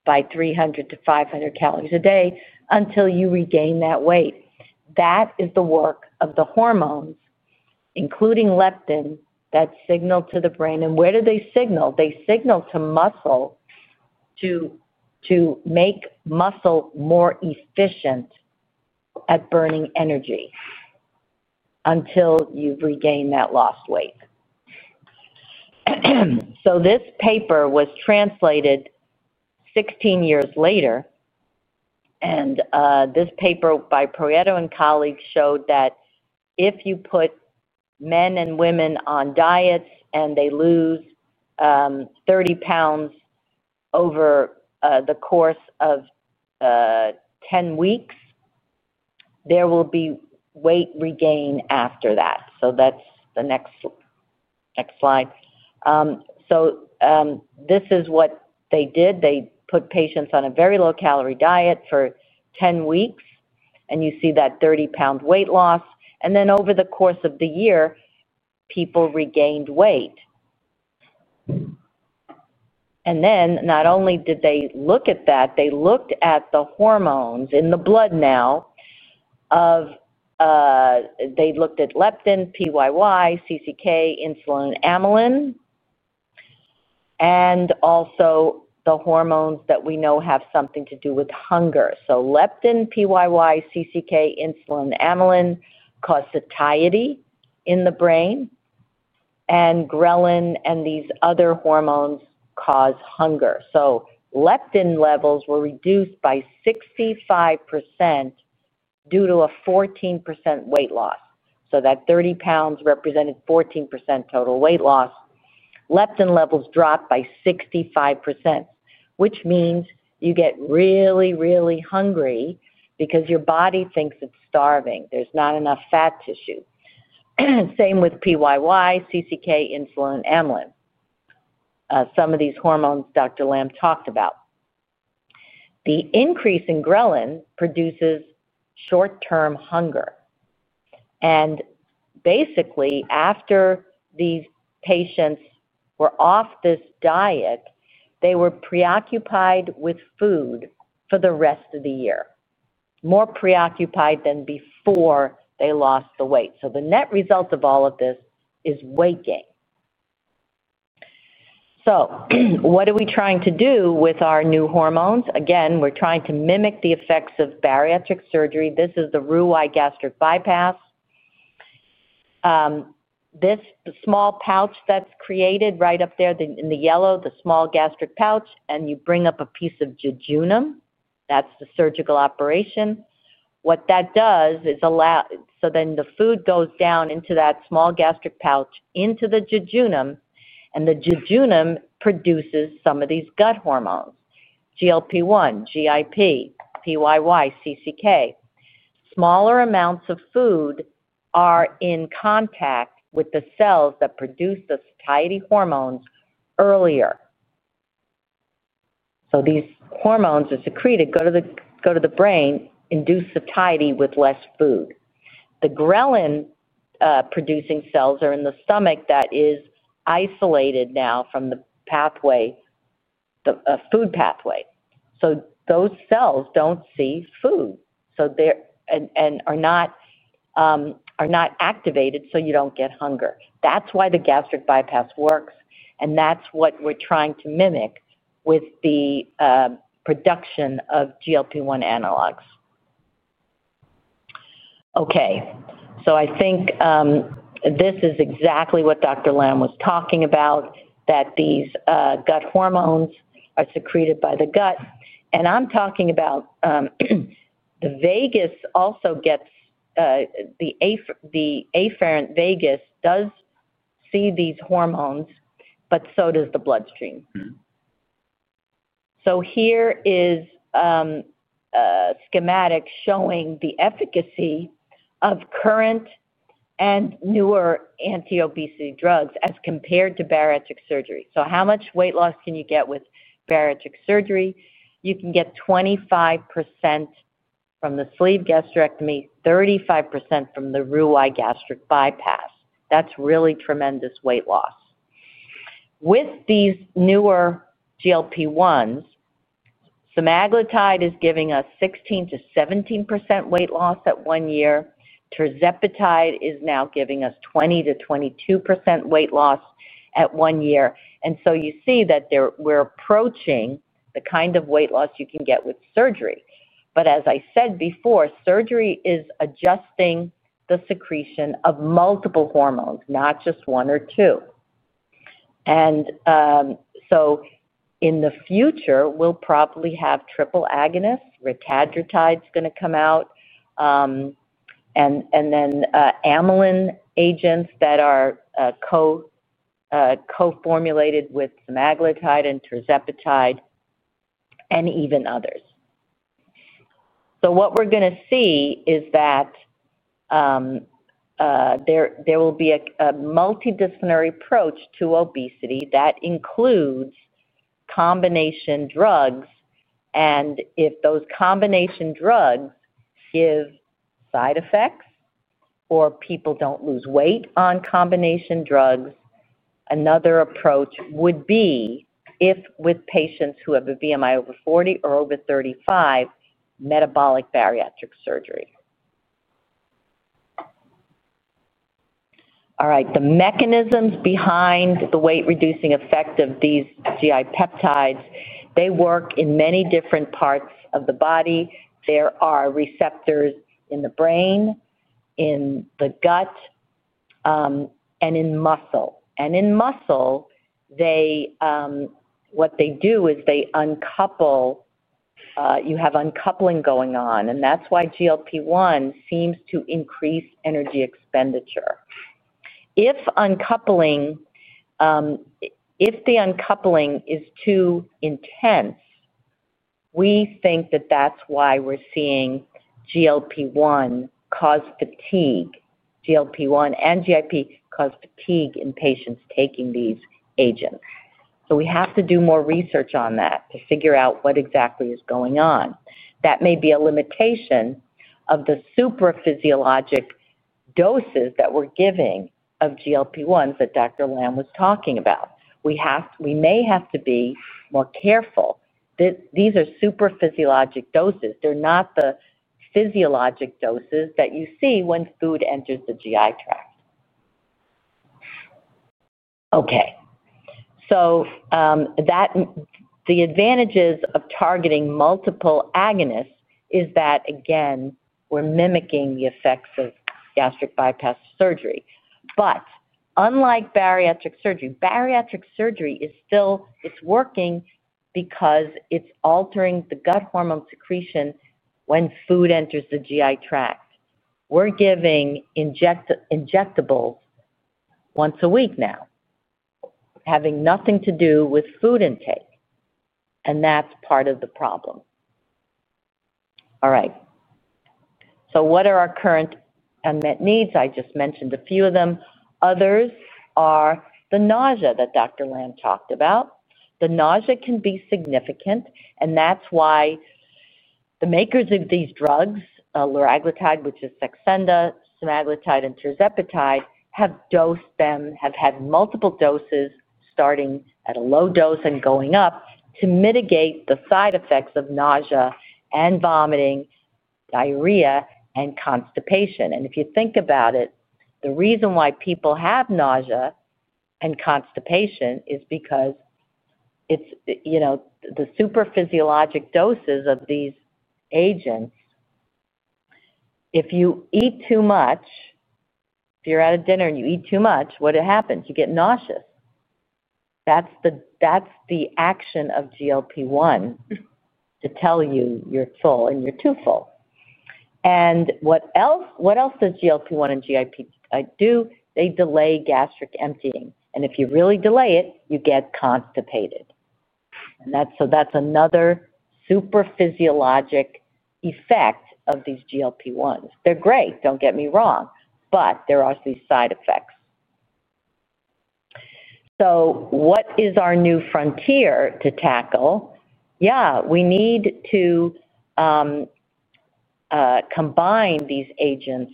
by 300-500 calories a day until you regain that weight. That is the work of the hormones, including leptin, that signal to the brain. Where do they signal? They signal to muscle to make muscle more efficient at burning energy until you've regained that lost weight. This paper was translated sixteen years later. This paper by Proietto and colleagues showed that if you put men and women on diets and they lose 30 pounds over the course of 10 weeks, there will be weight regain after that. That is the next slide. This is what they did. They put patients on a very low-calorie diet for 10 weeks, and you see that 30-pound weight loss. Over the course of the year, people regained weight. Not only did they look at that, they looked at the hormones in the blood now. They looked at leptin, PYY, CCK, insulin, and amylin. Also the hormones that we know have something to do with hunger. Leptin, PYY, CCK, insulin, and amylin cause satiety in the brain. Ghrelin and these other hormones cause hunger. Leptin levels were reduced by 65% due to a 14% weight loss. That 30 pounds represented 14% total weight loss. Leptin levels dropped by 65%, which means you get really, really hungry because your body thinks it is starving. There is not enough fat tissue. Same with PYY, CCK, insulin, and amylin. Some of these hormones Dr. Lam talked about. The increase in ghrelin produces short-term hunger. Basically, after these patients were off this diet, they were preoccupied with food for the rest of the year, more preoccupied than before they lost the weight. The net result of all of this is weight gain. What are we trying to do with our new hormones? Again, we're trying to mimic the effects of bariatric surgery. This is the Roux-en-Y gastric bypass. This small pouch that's created right up there in the yellow, the small gastric pouch, and you bring up a piece of jejunum. That's the surgical operation. What that does is. The food goes down into that small gastric pouch, into the jejunum, and the jejunum produces some of these gut hormones: GLP-1, GIP, PYY, CCK. Smaller amounts of food are in contact with the cells that produce the satiety hormones earlier. These hormones are secreted, go to the brain, induce satiety with less food. The ghrelin-producing cells are in the stomach that is isolated now from the pathway, the food pathway. Those cells do not see food and are not activated, so you do not get hunger. That's why the gastric bypass works. That's what we're trying to mimic with the production of GLP-1 analogs. Okay. I think this is exactly what Dr. Lam was talking about, that these gut hormones are secreted by the gut. I'm talking about the vagus also gets the afferent vagus does see these hormones, but so does the bloodstream. Here is a schematic showing the efficacy of current and newer anti-obesity drugs as compared to bariatric surgery. How much weight loss can you get with bariatric surgery? You can get 25% from the sleeve gastrectomy, 35% from the Roux-en-Y gastric bypass. That's really tremendous weight loss. With these newer GLP-1s, semaglutide is giving us 16%-17% weight loss at one year. Tirzepatide is now giving us 20%-22% weight loss at one year. You see that we're approaching the kind of weight loss you can get with surgery. As I said before, surgery is adjusting the secretion of multiple hormones, not just one or two. In the future, we'll probably have triple agonists. Retatrutide is going to come out. Amylin agents that are co-formulated with semaglutide and tirzepatide, and even others. What we're going to see is that there will be a multidisciplinary approach to obesity that includes combination drugs. If those combination drugs give side effects or people do not lose weight on combination drugs, another approach would be, with patients who have a BMI over 40 or over 35, metabolic bariatric surgery. The mechanisms behind the weight-reducing effect of these GI peptides, they work in many different parts of the body. There are receptors in the brain, in the gut. In muscle, what they do is they uncouple. You have uncoupling going on, and that is why GLP-1 seems to increase energy expenditure. If the uncoupling is too intense, we think that is why we are seeing GLP-1 cause fatigue. GLP-1 and GIP cause fatigue in patients taking these agents. We have to do more research on that to figure out what exactly is going on. That may be a limitation of the super physiologic doses that we are giving of GLP-1s that Dr. Lam was talking about. We may have to be more careful. These are super physiologic doses. They are not the physiologic doses that you see when food enters the GI tract. The advantages of targeting multiple agonists is that, again, we are mimicking the effects of gastric bypass surgery. Unlike bariatric surgery, bariatric surgery is still working because it is altering the gut hormone secretion when food enters the GI tract. We are giving injectables once a week now, having nothing to do with food intake. That is part of the problem. All right. What are our current unmet needs? I just mentioned a few of them. Others are the nausea that Dr. Lam talked about. The nausea can be significant, and that is why the makers of these drugs, liraglutide, which is Saxenda, semaglutide, and tirzepatide, have dosed them, have had multiple doses starting at a low dose and going up to mitigate the side effects of nausea and vomiting, diarrhea, and constipation. If you think about it, the reason why people have nausea and constipation is because. The super physiologic doses of these agents, if you eat too much, if you're at a dinner and you eat too much, what happens? You get nauseous. That's the action of GLP-1. To tell you you're full and you're too full. And what else does GLP-1 and GIP do? They delay gastric emptying. If you really delay it, you get constipated. That's another super physiologic effect of these GLP-1s. They're great, don't get me wrong, but there are these side effects. What is our new frontier to tackle? Yeah, we need to combine these agents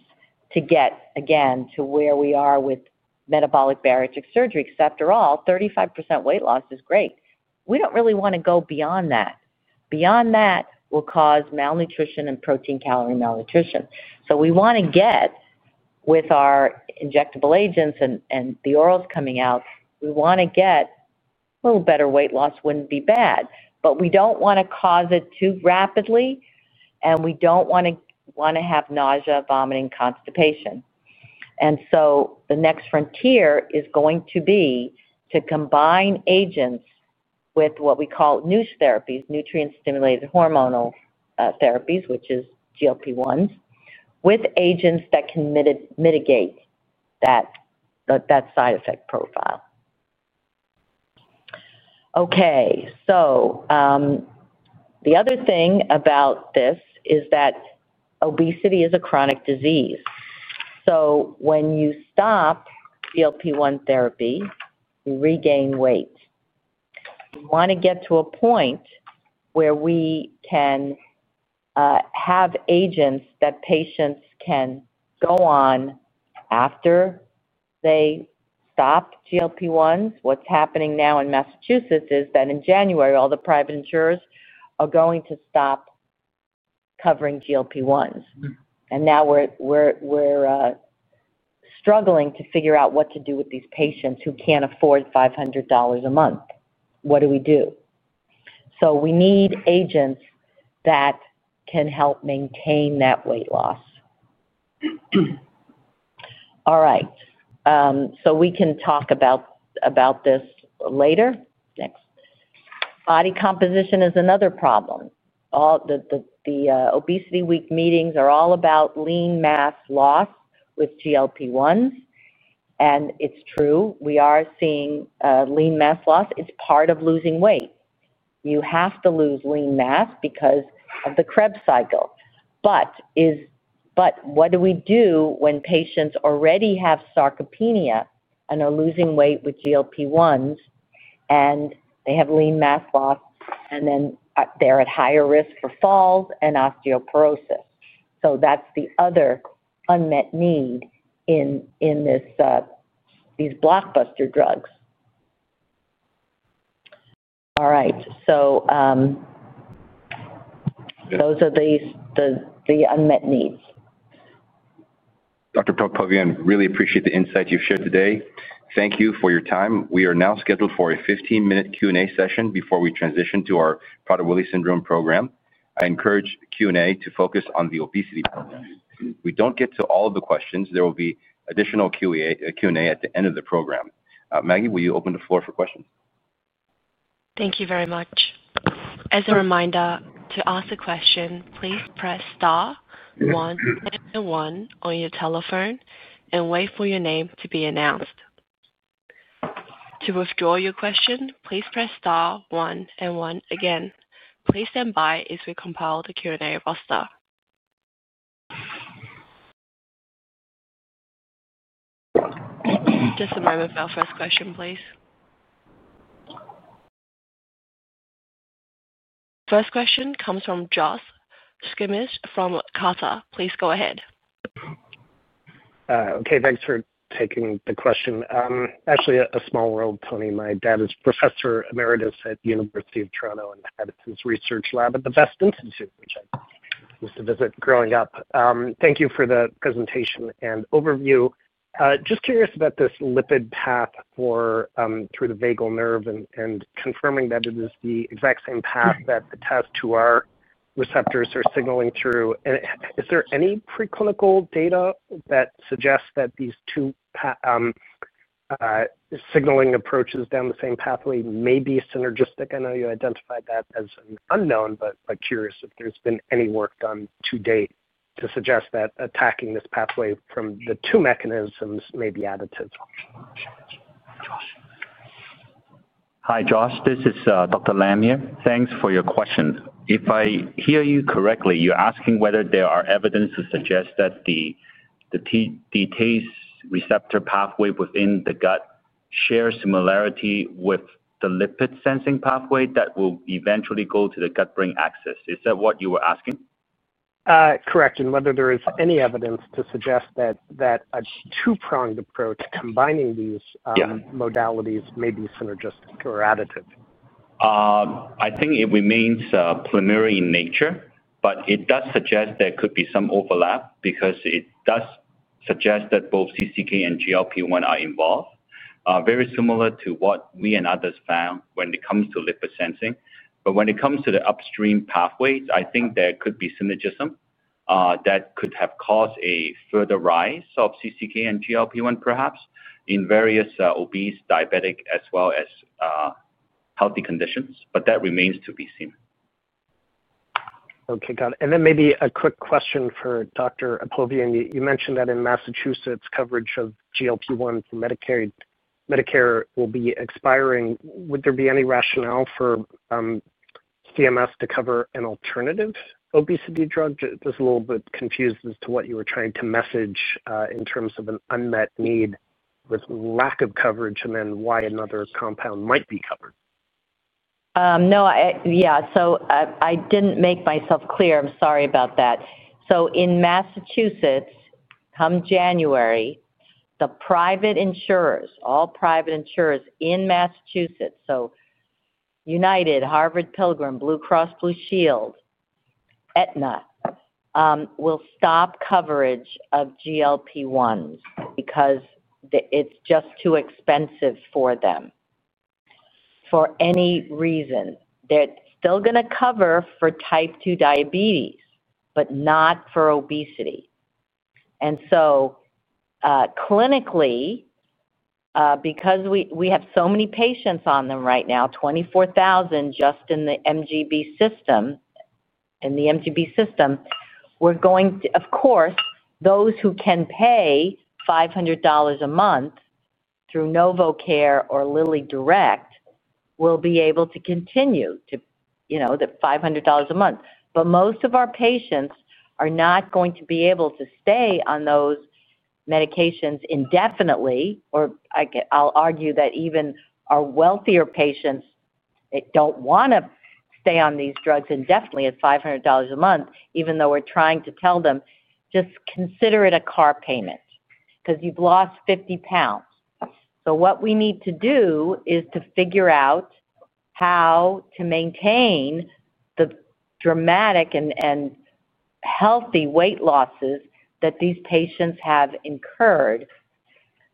to get, again, to where we are with metabolic bariatric surgery. Because after all, 35% weight loss is great. We don't really want to go beyond that. Beyond that will cause malnutrition and protein-calorie malnutrition. We want to get, with our injectable agents and the orals coming out, we want to get a little better weight loss. Wouldn't be bad. We do not want to cause it too rapidly, and we do not want to have nausea, vomiting, constipation. The next frontier is going to be to combine agents with what we call NuSH therapies, Nutrient-Stimulated Hormonal Therapies, which is GLP-1s, with agents that can mitigate that side effect profile. Okay. The other thing about this is that obesity is a chronic disease. When you stop GLP-1 therapy, you regain weight. We want to get to a point where we can have agents that patients can go on after they stop GLP-1s. What's happening now in Massachusetts is that in January, all the private insurers are going to stop covering GLP-1s. And now we're. Struggling to figure out what to do with these patients who can't afford $500 a month. What do we do? We need agents that can help maintain that weight loss. All right. We can talk about this later. Next. Body composition is another problem. The Obesity Week meetings are all about lean mass loss with GLP-1s. It is true. We are seeing lean mass loss. It is part of losing weight. You have to lose lean mass because of the Krebs cycle. What do we do when patients already have sarcopenia and are losing weight with GLP-1s, and they have lean mass loss, and then they are at higher risk for falls and osteoporosis? That is the other unmet need in these blockbuster drugs. All right. Thonese are the unmet needs. Dr. Apovian, really appreciate the insight you have shared today. Thank you for your time. We are now scheduled for a 15-minute Q&A session before we transition to our Prader-Willi Syndrome program. I encourage Q&A to focus on the obesity program. If we do not get to all of the questions, there will be additional Q&A at the end of the program. Maggie, will you open the floor for questions? Thank you very much. As a reminder, to ask a question, please press star one and one on your telephone and wait for your name to be announced. To withdraw your question, please press star one and one again. Please stand by as we compile the Q&A roster. Just a moment for our first question, please. First question comes from Josh Schimmer from Cantor. Please go ahead. Okay. Thanks for taking the question. Actually, a small world, Tony. My dad is Professor Emeritus at the University of Toronto and had his research lab at the Vest Institute, which I used to visit growing up. Thank you for the presentation and overview. Just curious about this lipid path through the vagal nerve and confirming that it is the exact same path that the TAS2R receptors are signaling through. Is there any preclinical data that suggests that these two signaling approaches down the same pathway may be synergistic? I know you identified that as an unknown, but curious if there's been any work done to date to suggest that attacking this pathway from the two mechanisms may be additive. Hi, Josh. This is Dr. Lam here. Thanks for your question. If I hear you correctly, you're asking whether there are evidences to suggest that the. TAS2R receptor pathway within the gut shares similarity with the lipid-sensing pathway that will eventually go to the gut-brain axis. Is that what you were asking? Correct. And whether there is any evidence to suggest that. A two-pronged approach combining these modalities may be synergistic or additive. I think it remains preliminary in nature, but it does suggest there could be some overlap because it does suggest that both CCK and GLP-1 are involved. Very similar to what we and others found when it comes to lipid-sensing. When it comes to the upstream pathways, I think there could be synergism that could have caused a further rise of CCK and GLP-1, perhaps, in various obese, diabetic, as well as healthy conditions. That remains to be seen. Okay. Got it. Maybe a quick question for Dr. Apovian. You mentioned that in Massachusetts, coverage of GLP-1 for Medicare. Will be expiring. Would there be any rationale for CMS to cover an alternative obesity drug? Just a little bit confused as to what you were trying to message in terms of an unmet need with lack of coverage and then why another compound might be covered. No. Yeah. I did not make myself clear. I'm sorry about that. In Massachusetts, come January, the private insurers, all private insurers in Massachusetts, so United, Harvard Pilgrim, Blue Cross, Blue Shield, Aetna, will stop coverage of GLP-1s because it is just too expensive for them. For any reason. They are still going to cover for type 2 diabetes, but not for obesity. Clinically, because we have so many patients on them right now, 24,000 patients just in the MGB system, we're going to, of course, those who can pay $500 a month through NovoCare or LillyDirect will be able to continue to. The $500 a month. Most of our patients are not going to be able to stay on those medications indefinitely. I'll argue that even our wealthier patients, they do not want to stay on these drugs indefinitely at $500 a month, even though we're trying to tell them, "Just consider it a car payment because you've lost 50 pounds." What we need to do is to figure out how to maintain the dramatic and healthy weight losses that these patients have incurred.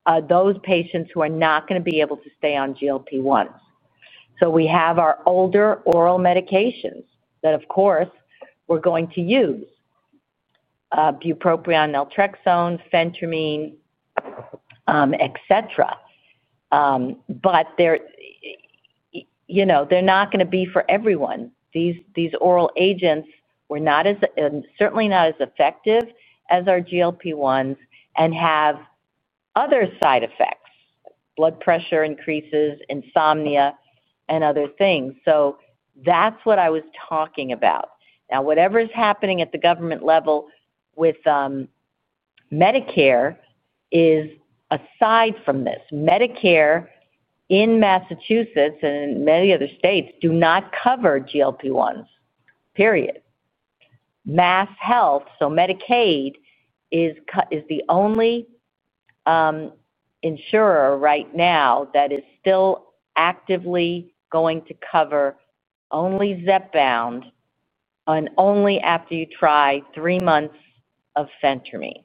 Are those patients who are not going to be able to stay on GLP-1s. We have our older oral medications that, of course, we're going to use. Bupropion, naltrexone, phentermine, etc. But they're not going to be for everyone. These oral agents were certainly not as effective as our GLP-1s and have other side effects: blood pressure increases, insomnia, and other things. That is what I was talking about. Now, whatever is happening at the government level with Medicare is aside from this. Medicare in Massachusetts and in many other states do not cover GLP-1s, period. MassHealth, so Medicaid, is the only insurer right now that is still actively going to cover only Zepbound, and only after you try three months of phentermine.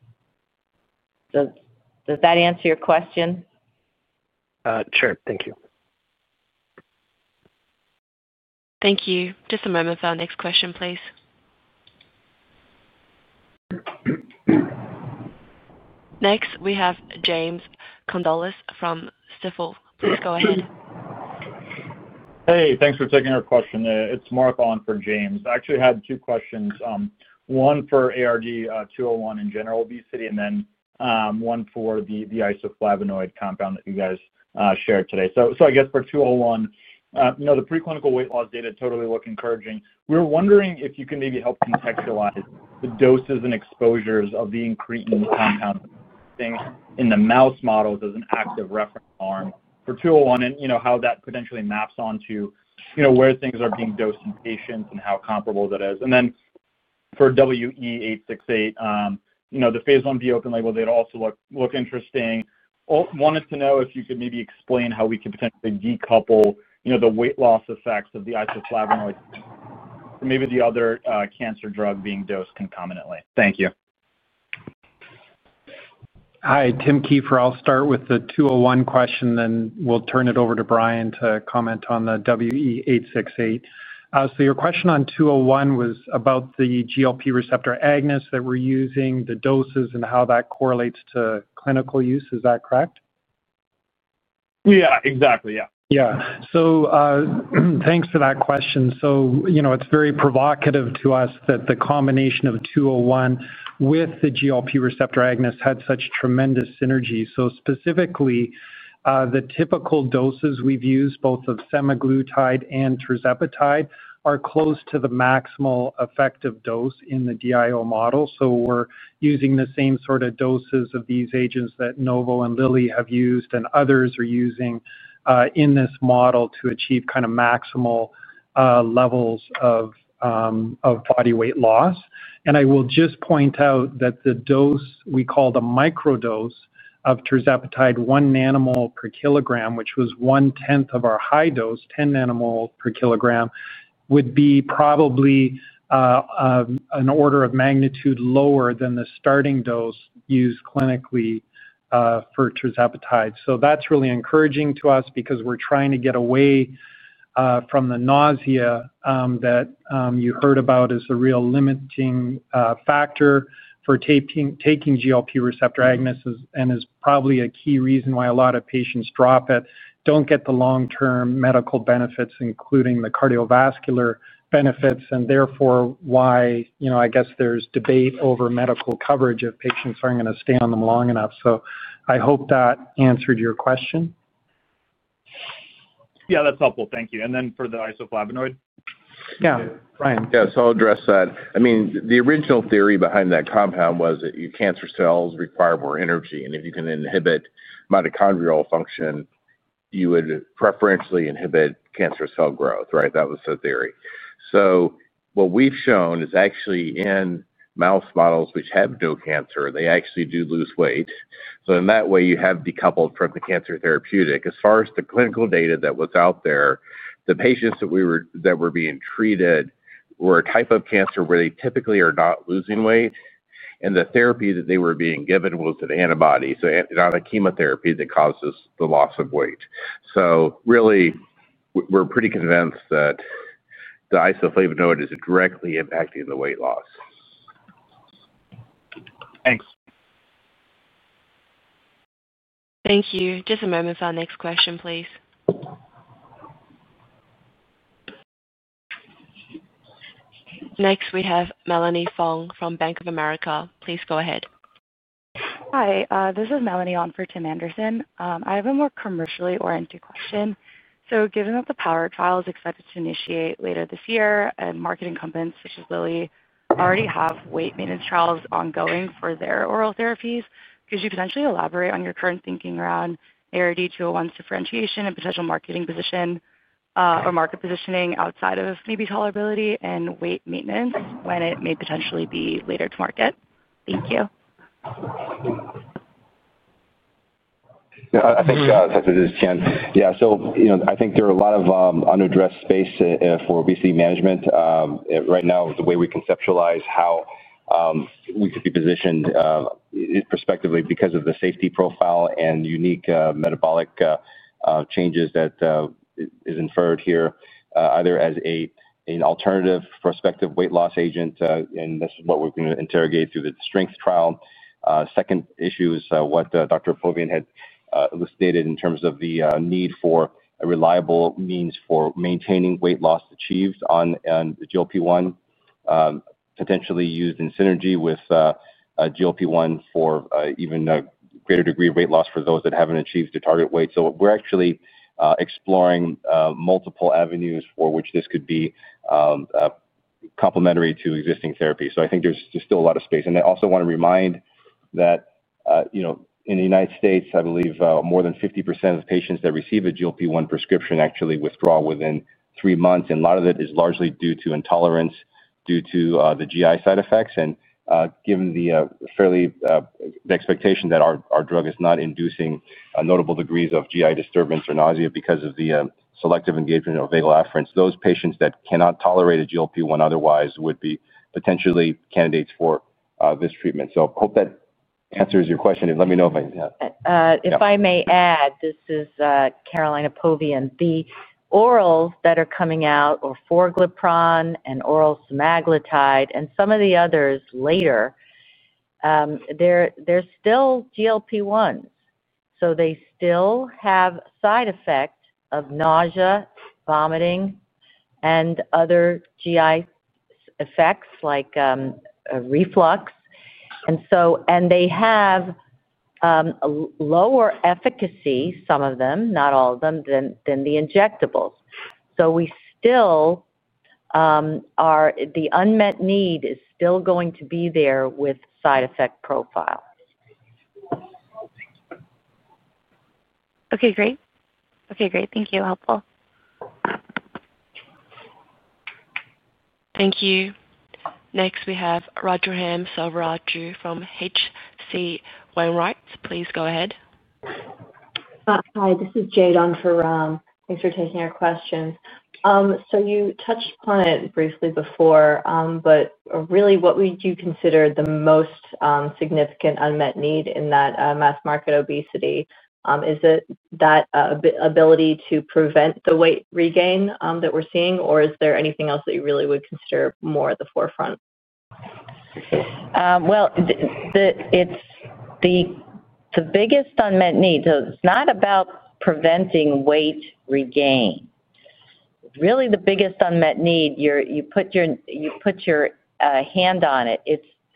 Does that answer your question? Sure. Thank you. Thank you. Just a moment for our next question, please. Next, we have James Condulis from Stifel. Please go ahead. Hey. Thanks for taking our question there. It's Mark on for James. I actually had two questions. One for ARD-201 in general obesity and then one for the isoflavonoid compound that you guys shared today. I guess for 201, the preclinical weight loss data totally look encouraging. We're wondering if you can maybe help contextualize the doses and exposures of the incretin compound in the mouse models as an active reference arm for 201 and how that potentially maps onto where things are being dosed in patients and how comparable that is. For WE-868, the phase IV open label, they'd also look interesting. Wanted to know if you could maybe explain how we could potentially decouple the weight loss effects of the isoflavonoid from maybe the other cancer drug being dosed concomitantly. Thank you. Hi, Tim Kieffer. I'll start with the 201 question, then we'll turn it over to Bryan to comment on the WE-868. Your question on 201 was about the GLP receptor agonist that we're using, the doses, and how that correlates to clinical use. Is that correct? Yeah. Exactly. Yeah. Yeah. Thanks for that question. It's very provocative to us that the combination of 201 with the GLP receptor agonist had such tremendous synergy. Specifically, the typical doses we've used, both of semaglutide and tirzepatide, are close to the maximal effective dose in the DIO model. We're using the same sort of doses of these agents that Novo and Lilly have used and others are using in this model to achieve kind of maximal levels of body weight loss. I will just point out that the dose we call the microdose of tirzepatide, one nanomole per kilogram, which was one-tenth of our high dose, 10 nanomoles per kilogram, would be probably. An order of magnitude lower than the starting dose used clinically for tirzepatide. That's really encouraging to us because we're trying to get away from the nausea that you heard about as a real limiting factor for taking GLP receptor agonists and is probably a key reason why a lot of patients drop it, don't get the long-term medical benefits, including the cardiovascular benefits, and therefore why I guess there's debate over medical coverage if patients aren't going to stay on them long enough. I hope that answered your question. Yeah. That's helpful. Thank you. And then for the isoflavonoid? Yeah. Bryan. Yeah. I'll address that. I mean, the original theory behind that compound was that your cancer cells require more energy. If you can inhibit mitochondrial function, you would preferentially inhibit cancer cell growth, right? That was the theory. What we've shown is actually, in mouse models which have no cancer, they actually do lose weight. In that way, you have decoupled from the cancer therapeutic. As far as the clinical data that was out there, the patients that were being treated were a type of cancer where they typically are not losing weight, and the therapy that they were being given was an antibody, so not a chemotherapy that causes the loss of weight. Really, we're pretty convinced that the isoflavonoid is directly impacting the weight loss. Thanks. Thank you. Just a moment for our next question, please. Next, we have Melanie Fong from Bank of America. Please go ahead. Hi. This is Melanie on for Tim Anderson. I have a more commercially oriented question. Given that the PARA trial is expected to initiate later this year, and marketing companies such as Lilly already have weight maintenance trials ongoing for their oral therapies, could you potentially elaborate on your current thinking around ARD-201's differentiation and potential marketing position or market positioning outside of maybe tolerability and weight maintenance when it may potentially be later to market? Thank you. Yeah. I think that's a good question. Yeah. I think there are a lot of unaddressed space for obesity management. Right now, the way we conceptualize how we could be positioned, prospectively because of the safety profile and unique metabolic changes that is inferred here, either as an alternative prospective weight loss agent, and this is what we're going to interrogate through the STRENGTH trial. Second issue is what Dr. Apovian had elucidated in terms of the need for a reliable means for maintaining weight loss achieved on GLP-1. Potentially used in synergy with GLP-1 for even a greater degree of weight loss for those that haven't achieved the target weight. We are actually exploring multiple avenues for which this could be complementary to existing therapy. I think there's still a lot of space. I also want to remind that in the U.S., I believe more than 50% of patients that receive a GLP-1 prescription actually withdraw within three months. A lot of it is largely due to intolerance due to the GI side effects. Given the fairly strong expectation that our drug is not inducing notable degrees of GI disturbance or nausea because of the selective engagement of vagal afferents, those patients that cannot tolerate a GLP-1 otherwise would be potentially candidates for this treatment. I hope that answers your question. Let me know if I— If I may add, this is Caroline Apovian. The orals that are coming out, orforglipron and oral semaglutide and some of the others later, they're still GLP-1s. They still have side effects of nausea, vomiting, and other GI effects like reflux. They have a lower efficacy, some of them, not all of them, than the injectables. The unmet need is still going to be there with side effect profile. Okay. Great. Okay. Great. Thank you. Helpful. Thank you. Next, we have Raghuram Selvaraju from H.C. Wainwright. Please go ahead. Hi. This is Jade on for Ram. Thanks for taking our questions. You touched on it briefly before, but really what would you consider the most significant unmet need in that mass market obesity? Is it that ability to prevent the weight regain that we're seeing, or is there anything else that you really would consider more at the forefront? It's the biggest unmet need. It's not about preventing weight regain. Really, the biggest unmet need, you put your hand on it,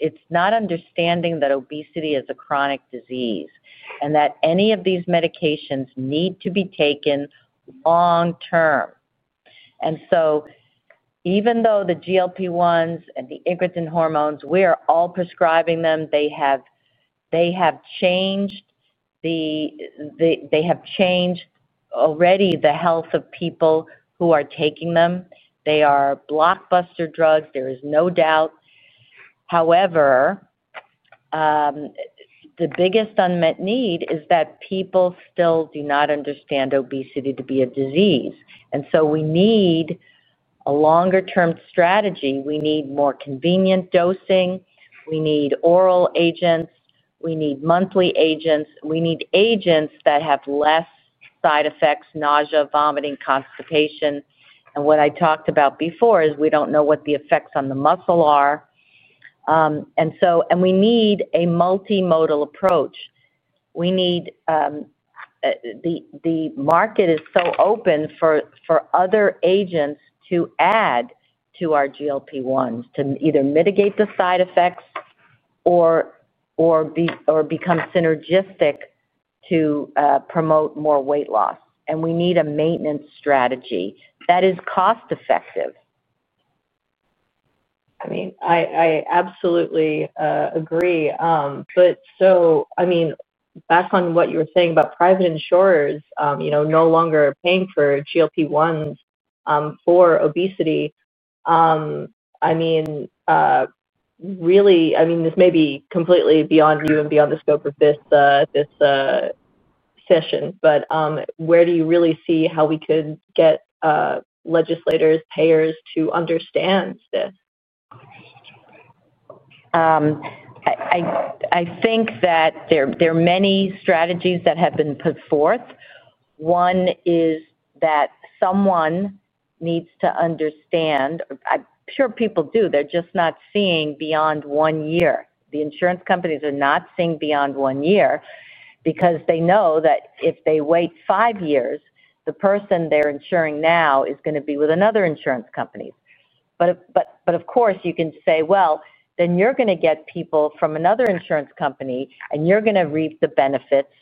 it's not understanding that obesity is a chronic disease and that any of these medications need to be taken long-term. Even though the GLP-1s and the incretin hormones, we are all prescribing them, they have changed. They have changed already the health of people who are taking them. They are blockbuster drugs. There is no doubt. However, the biggest unmet need is that people still do not understand obesity to be a disease. We need a longer-term strategy. We need more convenient dosing. We need oral agents. We need monthly agents. We need agents that have less side effects: nausea, vomiting, constipation. What I talked about before is we do not know what the effects on the muscle are. We need a multimodal approach. The market is so open for other agents to add to our GLP-1s to either mitigate the side effects or become synergistic to promote more weight loss. We need a maintenance strategy that is cost-effective. I absolutely agree. Back on what you were saying about private insurers no longer paying for GLP-1s for obesity. Really, this may be completely beyond you and beyond the scope of this session, but where do you really see how we could get legislators, payers to understand this? I think that there are many strategies that have been put forth. One is that someone needs to understand—I'm sure people do. They're just not seeing beyond one year. The insurance companies are not seeing beyond one year because they know that if they wait five years, the person they're insuring now is going to be with another insurance company. Of course, you can say, "Well, then you're going to get people from another insurance company, and you're going to reap the benefits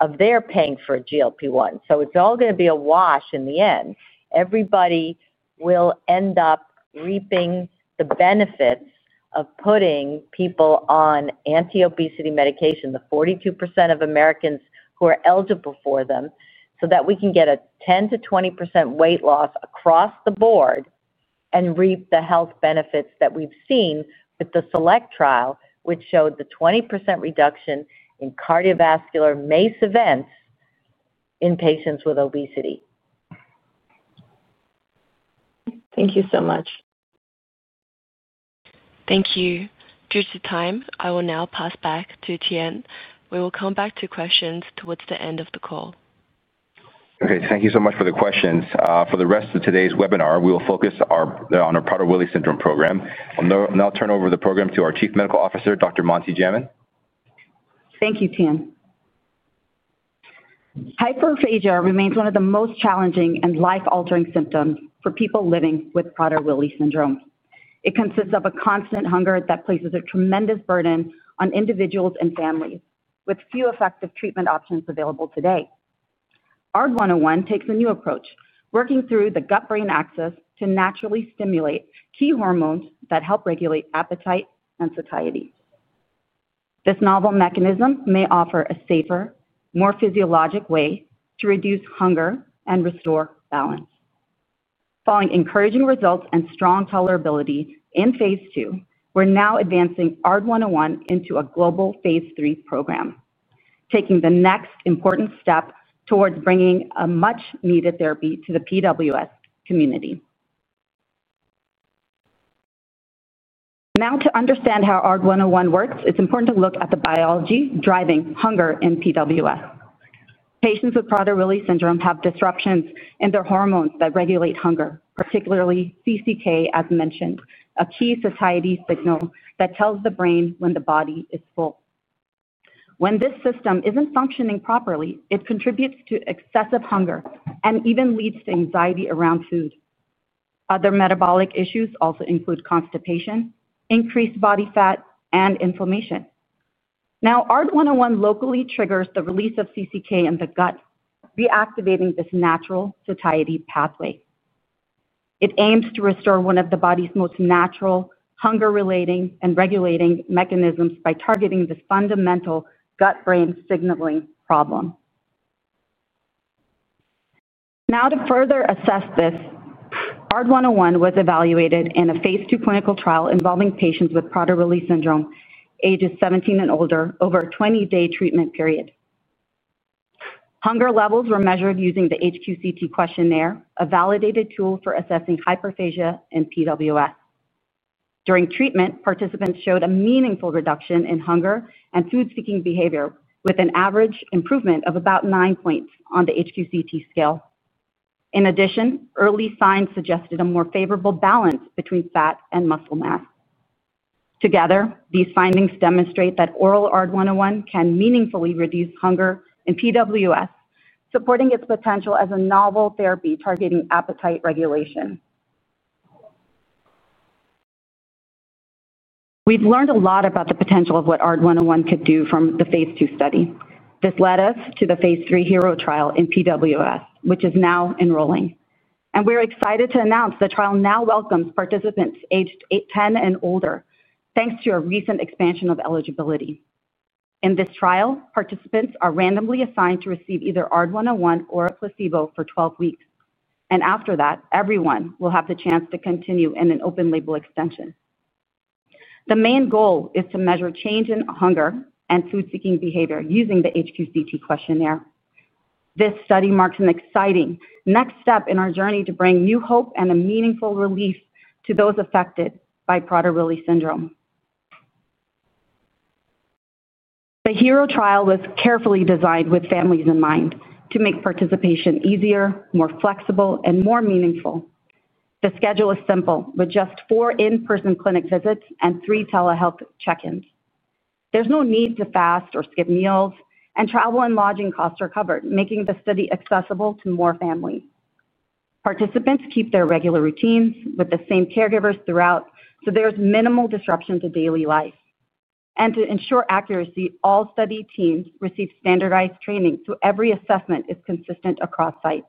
of their paying for a GLP-1." It's all going to be a wash in the end. Everybody will end up reaping the benefits of putting people on anti-obesity medication, the 42% of Americans who are eligible for them, so that we can get a 10%-20% weight loss across the board and reap the health benefits that we've seen with the SELECT trial, which showed the 20% reduction in cardiovascular MACE events. In patients with obesity. Thank you so much. Thank you. Due to time, I will now pass back to Tien. We will come back to questions towards the end of the call. Okay. Thank you so much for the questions. For the rest of today's webinar, we will focus on our Prader-Willi Syndrome program. I will turn over the program to our Chief Medical Officer, Dr. Manasi Jaiman. Thank you, Tien. Hyperphagia remains one of the most challenging and life-altering symptoms for people living with Prader-Willi Syndrome. It consists of a constant hunger that places a tremendous burden on individuals and families, with few effective treatment options available today. ARD-101 takes a new approach, working through the gut-brain axis to naturally stimulate key hormones that help regulate appetite and satiety. This novel mechanism may offer a safer, more physiologic way to reduce hunger and restore balance. Following encouraging results and strong tolerability in phase II, we're now advancing ARD-101 into a global phase III program, taking the next important step towards bringing a much-needed therapy to the PWS community. Now, to understand how ARD-101 works, it's important to look at the biology driving hunger in PWS. Patients with Prader-Willi Syndrome have disruptions in their hormones that regulate hunger, particularly CCK, as mentioned, a key satiety signal that tells the brain when the body is full. When this system isn't functioning properly, it contributes to excessive hunger and even leads to anxiety around food. Other metabolic issues also include constipation, increased body fat, and inflammation. Now, ARD-101 locally triggers the release of CCK in the gut, reactivating this natural satiety pathway. It aims to restore one of the body's most natural hunger-relating and regulating mechanisms by targeting this fundamental gut-brain signaling problem. Now, to further assess this, ARD-101 was evaluated in a phase II clinical trial involving patients with Prader-Willi Syndrome, ages 17 and older, over a 20-day treatment period. Hunger levels were measured using the HQ-CT questionnaire, a validated tool for assessing hyperphagia in PWS. During treatment, participants showed a meaningful reduction in hunger and food-seeking behavior, with an average improvement of about nine points on the HQ-CT scale. In addition, early signs suggested a more favorable balance between fat and muscle mass. Together, these findings demonstrate that oral ARD-101 can meaningfully reduce hunger in PWS, supporting its potential as a novel therapy targeting appetite regulation. We've learned a lot about the potential of what ARD-101 could do from the phase II study. This led us to the phase III HERO trial in PWS, which is now enrolling. We're excited to announce the trial now welcomes participants aged 10 and older, thanks to a recent expansion of eligibility. In this trial, participants are randomly assigned to receive either ARD-101 or a placebo for 12 weeks. After that, everyone will have the chance to continue in an open-label extension. The main goal is to measure change in hunger and food-seeking behavior using the HQ-CT questionnaire. This study marks an exciting next step in our journey to bring new hope and meaningful relief to those affected by Prader-Willi Syndrome. The HERO trial was carefully designed with families in mind to make participation easier, more flexible, and more meaningful. The schedule is simple, with just four in-person clinic visits and three telehealth check-ins. There's no need to fast or skip meals, and travel and lodging costs are covered, making the study accessible to more families. Participants keep their regular routines with the same caregivers throughout, so there's minimal disruption to daily life. To ensure accuracy, all study teams receive standardized training so every assessment is consistent across sites.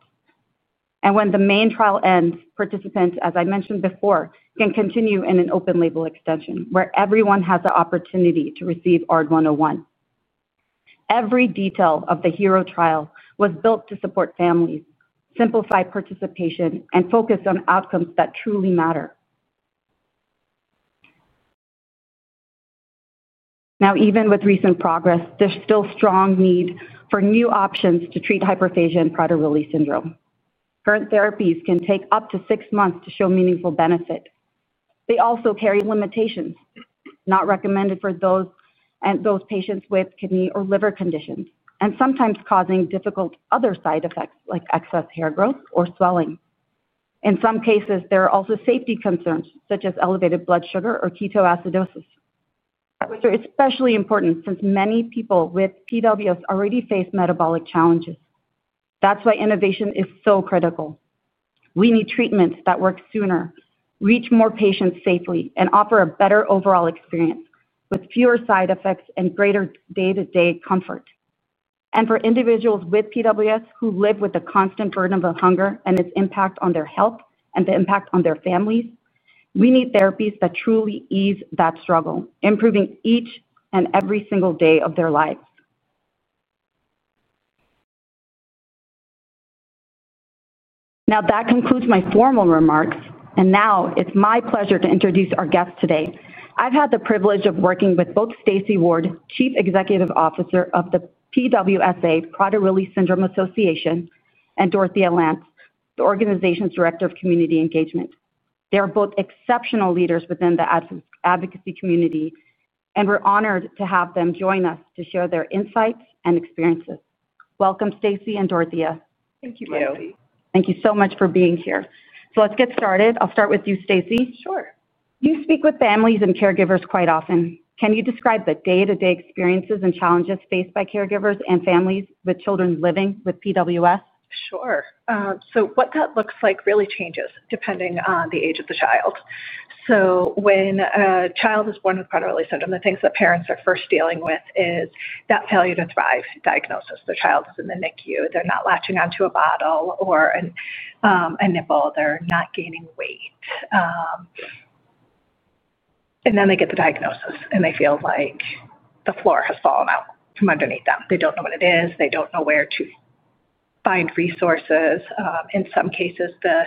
When the main trial ends, participants, as I mentioned before, can continue in an open-label extension where everyone has the opportunity to receive ARD-101. Every detail of the HERO trial was built to support families, simplify participation, and focus on outcomes that truly matter. Now, even with recent progress, there's still a strong need for new options to treat hyperphagia and Prader-Willi Syndrome. Current therapies can take up to six months to show meaningful benefit. They also carry limitations, not recommended for those patients with kidney or liver conditions, and sometimes causing difficult other side effects like excess hair growth or swelling. In some cases, there are also safety concerns such as elevated blood sugar or ketoacidosis, which are especially important since many people with PWS already face metabolic challenges. That is why innovation is so critical. We need treatments that work sooner, reach more patients safely, and offer a better overall experience with fewer side effects and greater day-to-day comfort. For individuals with PWS who live with the constant burden of hunger and its impact on their health and the impact on their families, we need therapies that truly ease that struggle, improving each and every single day of their lives. That concludes my formal remarks. Now it is my pleasure to introduce our guests today. I have had the privilege of working with both Stacy Ward, Chief Executive Officer of the PWSA Prader-Willi Syndrome Association, and Dorothea Lantz, the organization's Director of Community Engagement. They are both exceptional leaders within the advocacy community, and we're honored to have them join us to share their insights and experiences. Welcome, Stacy and Dorothea. Thank you, Manasi. Thank you so much for being here. Let's get started. I'll start with you, Stacy. Sure. You speak with families and caregivers quite often. Can you describe the day-to-day experiences and challenges faced by caregivers and families with children living with PWS? Sure. What that looks like really changes depending on the age of the child. When a child is born with Prader-Willi Syndrome, the things that parents are first dealing with is that failure to thrive diagnosis. The child is in the NICU. They're not latching onto a bottle or a nipple. They're not gaining weight. Then they get the diagnosis, and they feel like the floor has fallen out from underneath them. They do not know what it is. They do not know where to find resources. In some cases, the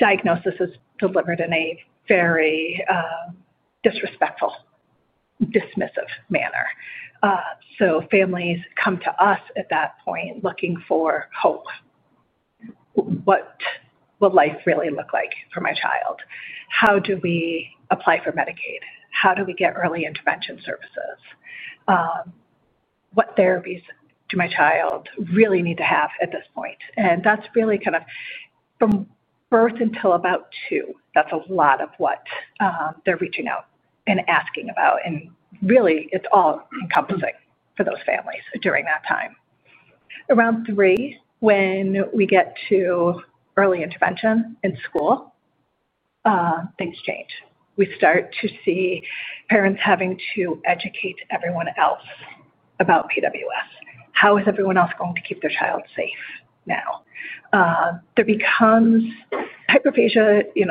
diagnosis is delivered in a very disrespectful, dismissive manner. Families come to us at that point looking for hope. What will life really look like for my child? How do we apply for Medicaid? How do we get early intervention services? What therapies does my child really need to have at this point? That is really kind of from birth until about two. That is a lot of what they are reaching out and asking about. It is all encompassing for those families during that time. Around three, when we get to early intervention in school, things change. We start to see parents having to educate everyone else about PWS. How is everyone else going to keep their child safe now? Hyperphagia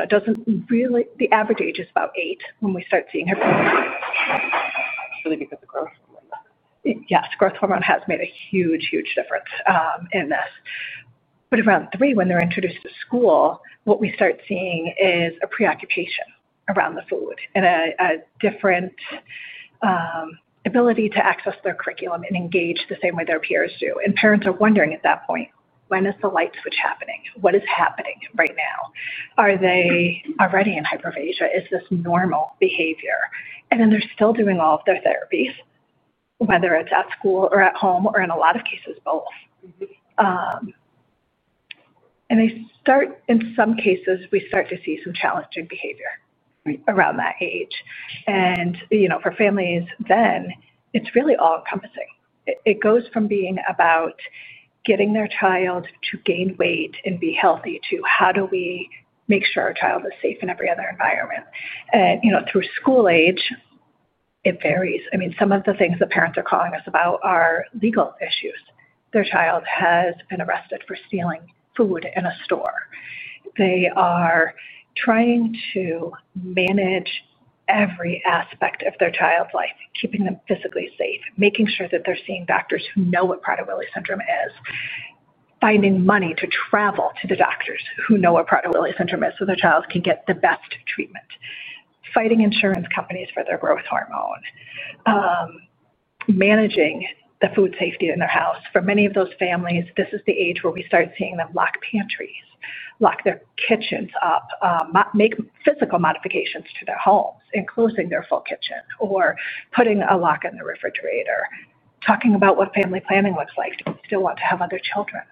does not really—the average age is about eight when we start seeing her. Really because of growth hormone. Yes. Growth hormone has made a huge, huge difference in this. Around three, when they are introduced to school, what we start seeing is a preoccupation around the food and a different ability to access their curriculum and engage the same way their peers do. Parents are wondering at that point, "When is the light switch happening? What is happening right now? Are they already in hyperphagia? Is this normal behavior?" They are still doing all of their therapies, whether it is at school or at home or in a lot of cases, both. In some cases, we start to see some challenging behavior around that age. For families then, it is really all-encompassing. It goes from being about. Getting their child to gain weight and be healthy to how do we make sure our child is safe in every other environment. Through school age, it varies. I mean, some of the things that parents are calling us about are legal issues. Their child has been arrested for stealing food in a store. They are trying to manage every aspect of their child's life, keeping them physically safe, making sure that they're seeing doctors who know what Prader-Willi Syndrome is. Finding money to travel to the doctors who know what Prader-Willi Syndrome is so their child can get the best treatment. Fighting insurance companies for their growth hormone. Managing the food safety in their house. For many of those families, this is the age where we start seeing them lock pantries, lock their kitchens up, make physical modifications to their homes, enclosing their full kitchen, or putting a lock in the refrigerator, talking about what family planning looks like. Do we still want to have other children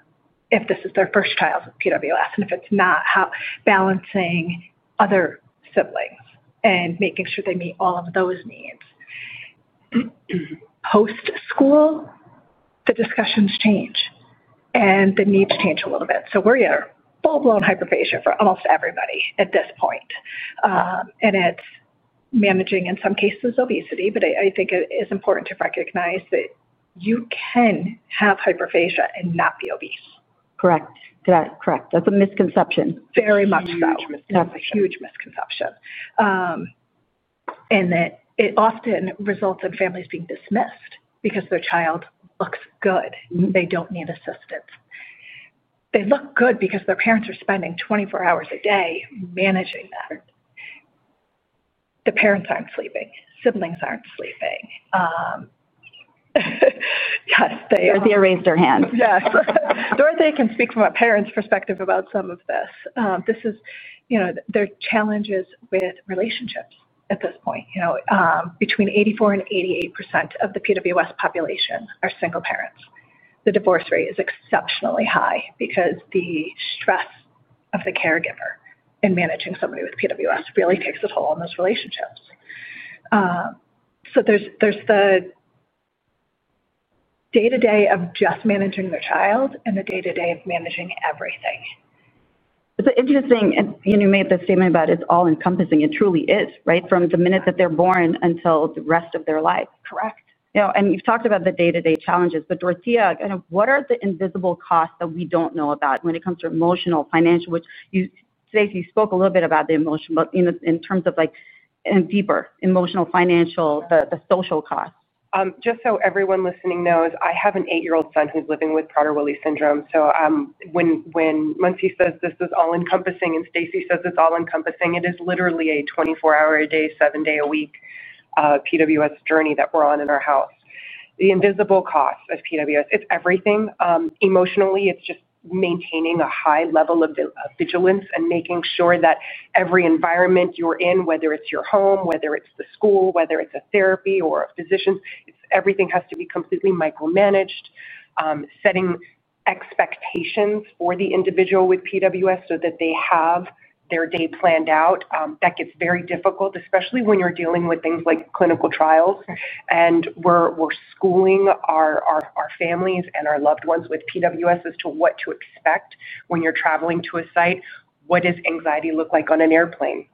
if this is their first child with PWS? And if it's not, how balancing other siblings and making sure they meet all of those needs. Post-school. The discussions change, and the needs change a little bit. We are at full-blown hyperphagia for almost everybody at this point. It is managing, in some cases, obesity. I think it is important to recognize that you can have hyperphagia and not be obese. Correct. Correct. That is a misconception. Very much so. That is a huge misconception. It often results in families being dismissed because their child looks good. They don't need assistance. They look good because their parents are spending 24 hours a day managing that. The parents aren't sleeping. Siblings aren't sleeping. Yes. They raised their hands. Yes. Dorothea can speak from a parent's perspective about some of this. This is. Their challenges with relationships at this point. Between 84%-88% of the PWS population are single parents. The divorce rate is exceptionally high because the stress of the caregiver in managing somebody with PWS really takes a toll on those relationships. There is the day-to-day of just managing their child and the day-to-day of managing everything. It's interesting. You made the statement about it's all-encompassing. It truly is, right, from the minute that they're born until the rest of their life. Correct. You have talked about the day-to-day challenges. Dorothea, kind of what are the invisible costs that we do not know about when it comes to emotional, financial? Stacy, you spoke a little bit about the emotional, but in terms of deeper emotional, financial, the social costs. Just so everyone listening knows, I have an eight-year-old son who is living with Prader-Willi Syndrome. When Manasi says this is all-encompassing and Stacy says it is all-encompassing, it is literally a 24-hour-a-day, 7-day-a-week PWS journey that we are on in our house. The invisible cost of PWS, it is everything. Emotionally, it is just maintaining a high level of vigilance and making sure that every environment you are in, whether it is your home, whether it is the school, whether it is a therapy or a physician, everything has to be completely micromanaged. Setting expectations for the individual with PWS so that they have their day planned out. That gets very difficult, especially when you're dealing with things like clinical trials. And we're schooling our families and our loved ones with PWS as to what to expect when you're traveling to a site. What does anxiety look like on an airplane?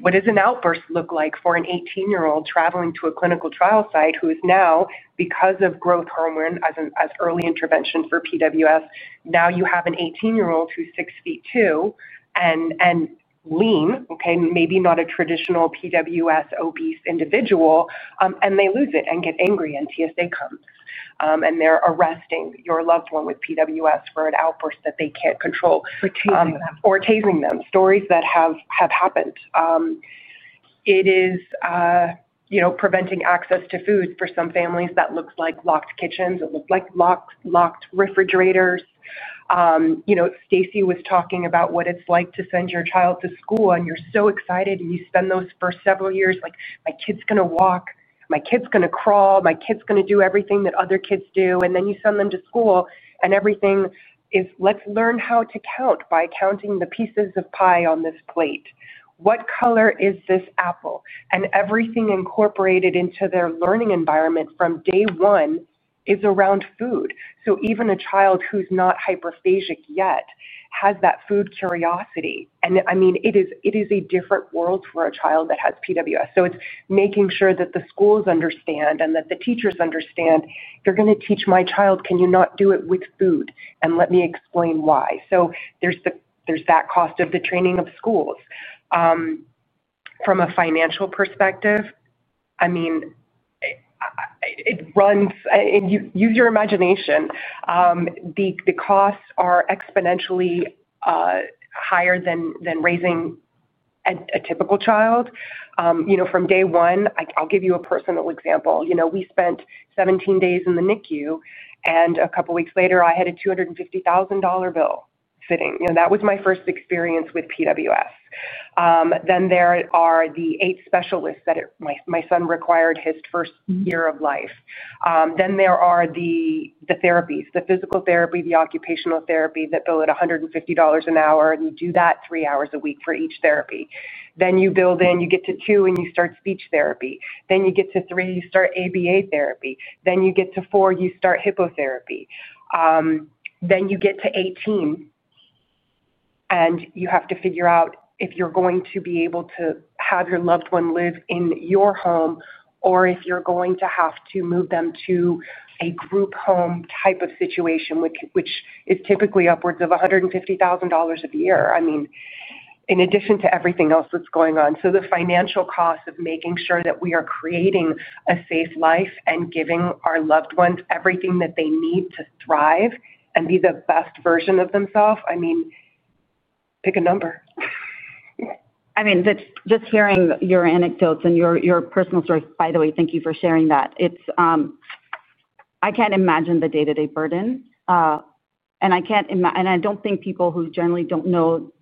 What does an outburst look like for an 18-year-old traveling to a clinical trial site who is now, because of growth hormone as early intervention for PWS, now you have an 18-year-old who's 6 feet 2 and lean, okay, maybe not a traditional PWS obese individual, and they lose it and get angry and TSA comes. And they're arresting your loved one with PWS for an outburst that they can't control. Or tasing them. Or tasing them. Stories that have happened. It is. Preventing access to food for some families that looks like locked kitchens. It looks like locked refrigerators. Stacy was talking about what it's like to send your child to school, and you're so excited, and you spend those first several years like, "My kid's going to walk. My kid's going to crawl. My kid's going to do everything that other kids do." You send them to school, and everything is, "Let's learn how to count by counting the pieces of pie on this plate. What color is this apple?" Everything incorporated into their learning environment from day one is around food. Even a child who's not hyperphagic yet has that food curiosity. I mean, it is a different world for a child that has PWS. It's making sure that the schools understand and that the teachers understand, "They're going to teach my child, 'Can you not do it with food?' And let me explain why." There's that cost of the training of schools. From a financial perspective, I mean, use your imagination. The costs are exponentially higher than raising a typical child. From day one, I'll give you a personal example. We spent 17 days in the NICU, and a couple of weeks later, I had a $250,000 bill sitting. That was my first experience with PWS. There are the eight specialists that my son required his first year of life. There are the therapies, the physical therapy, the occupational therapy that bill at $150 an hour, and you do that three hours a week for each therapy. You build in, you get to two, and you start speech therapy. Then you get to three, you start ABA therapy. Then you get to four, you start hippotherapy. Then you get to 18. And you have to figure out if you're going to be able to have your loved one live in your home or if you're going to have to move them to a group home type of situation, which is typically upwards of $150,000 a year. I mean, in addition to everything else that's going on. So the financial cost of making sure that we are creating a safe life and giving our loved ones everything that they need to thrive and be the best version of themselves, I mean. Pick a number. I mean, just hearing your anecdotes and your personal story, by the way, thank you for sharing that. I can't imagine the day-to-day burden. I can't imagine, and I don't think people who generally don't know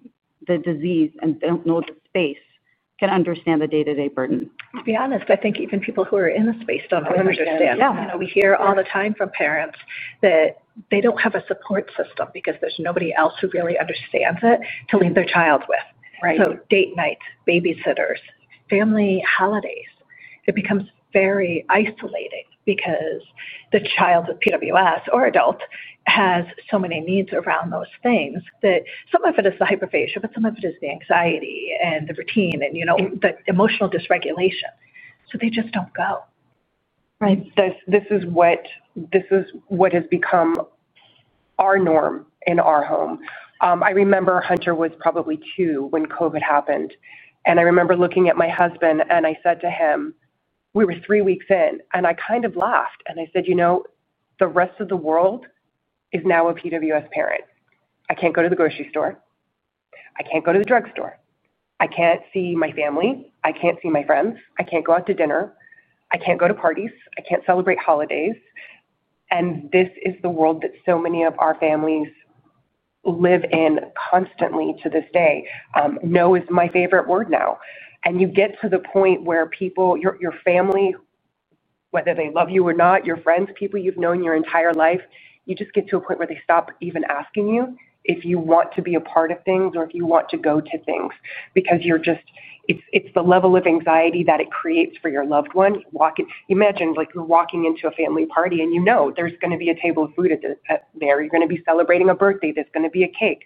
the disease and don't know the space can understand the day-to-day burden. To be honest, I think even people who are in the space don't understand. We hear all the time from parents that they don't have a support system because there's nobody else who really understands it to leave their child with. Date nights, babysitters, family holidays. It becomes very isolating because the child with PWS or adult has so many needs around those things that some of it is the hyperphagia, but some of it is the anxiety and the routine and the emotional dysregulation. They just don't go. Right. This is what has become our norm in our home. I remember Hunter was probably two when COVID happened. I remember looking at my husband, and I said to him, we were three weeks in, and I kind of laughed. I said, "The rest of the world is now a PWS parent. I can't go to the grocery store. I can't go to the drugstore. I can't see my family. I can't see my friends. I can't go out to dinner. I can't go to parties. I can't celebrate holidays." This is the world that so many of our families live in constantly to this day. No is my favorite word now. You get to the point where your family, whether they love you or not, your friends, people you've known your entire life, you just get to a point where they stop even asking you if you want to be a part of things or if you want to go to things because it's the level of anxiety that it creates for your loved one. Imagine you're walking into a family party, and you know there's going to be a table of food there. You're going to be celebrating a birthday. There's going to be a cake.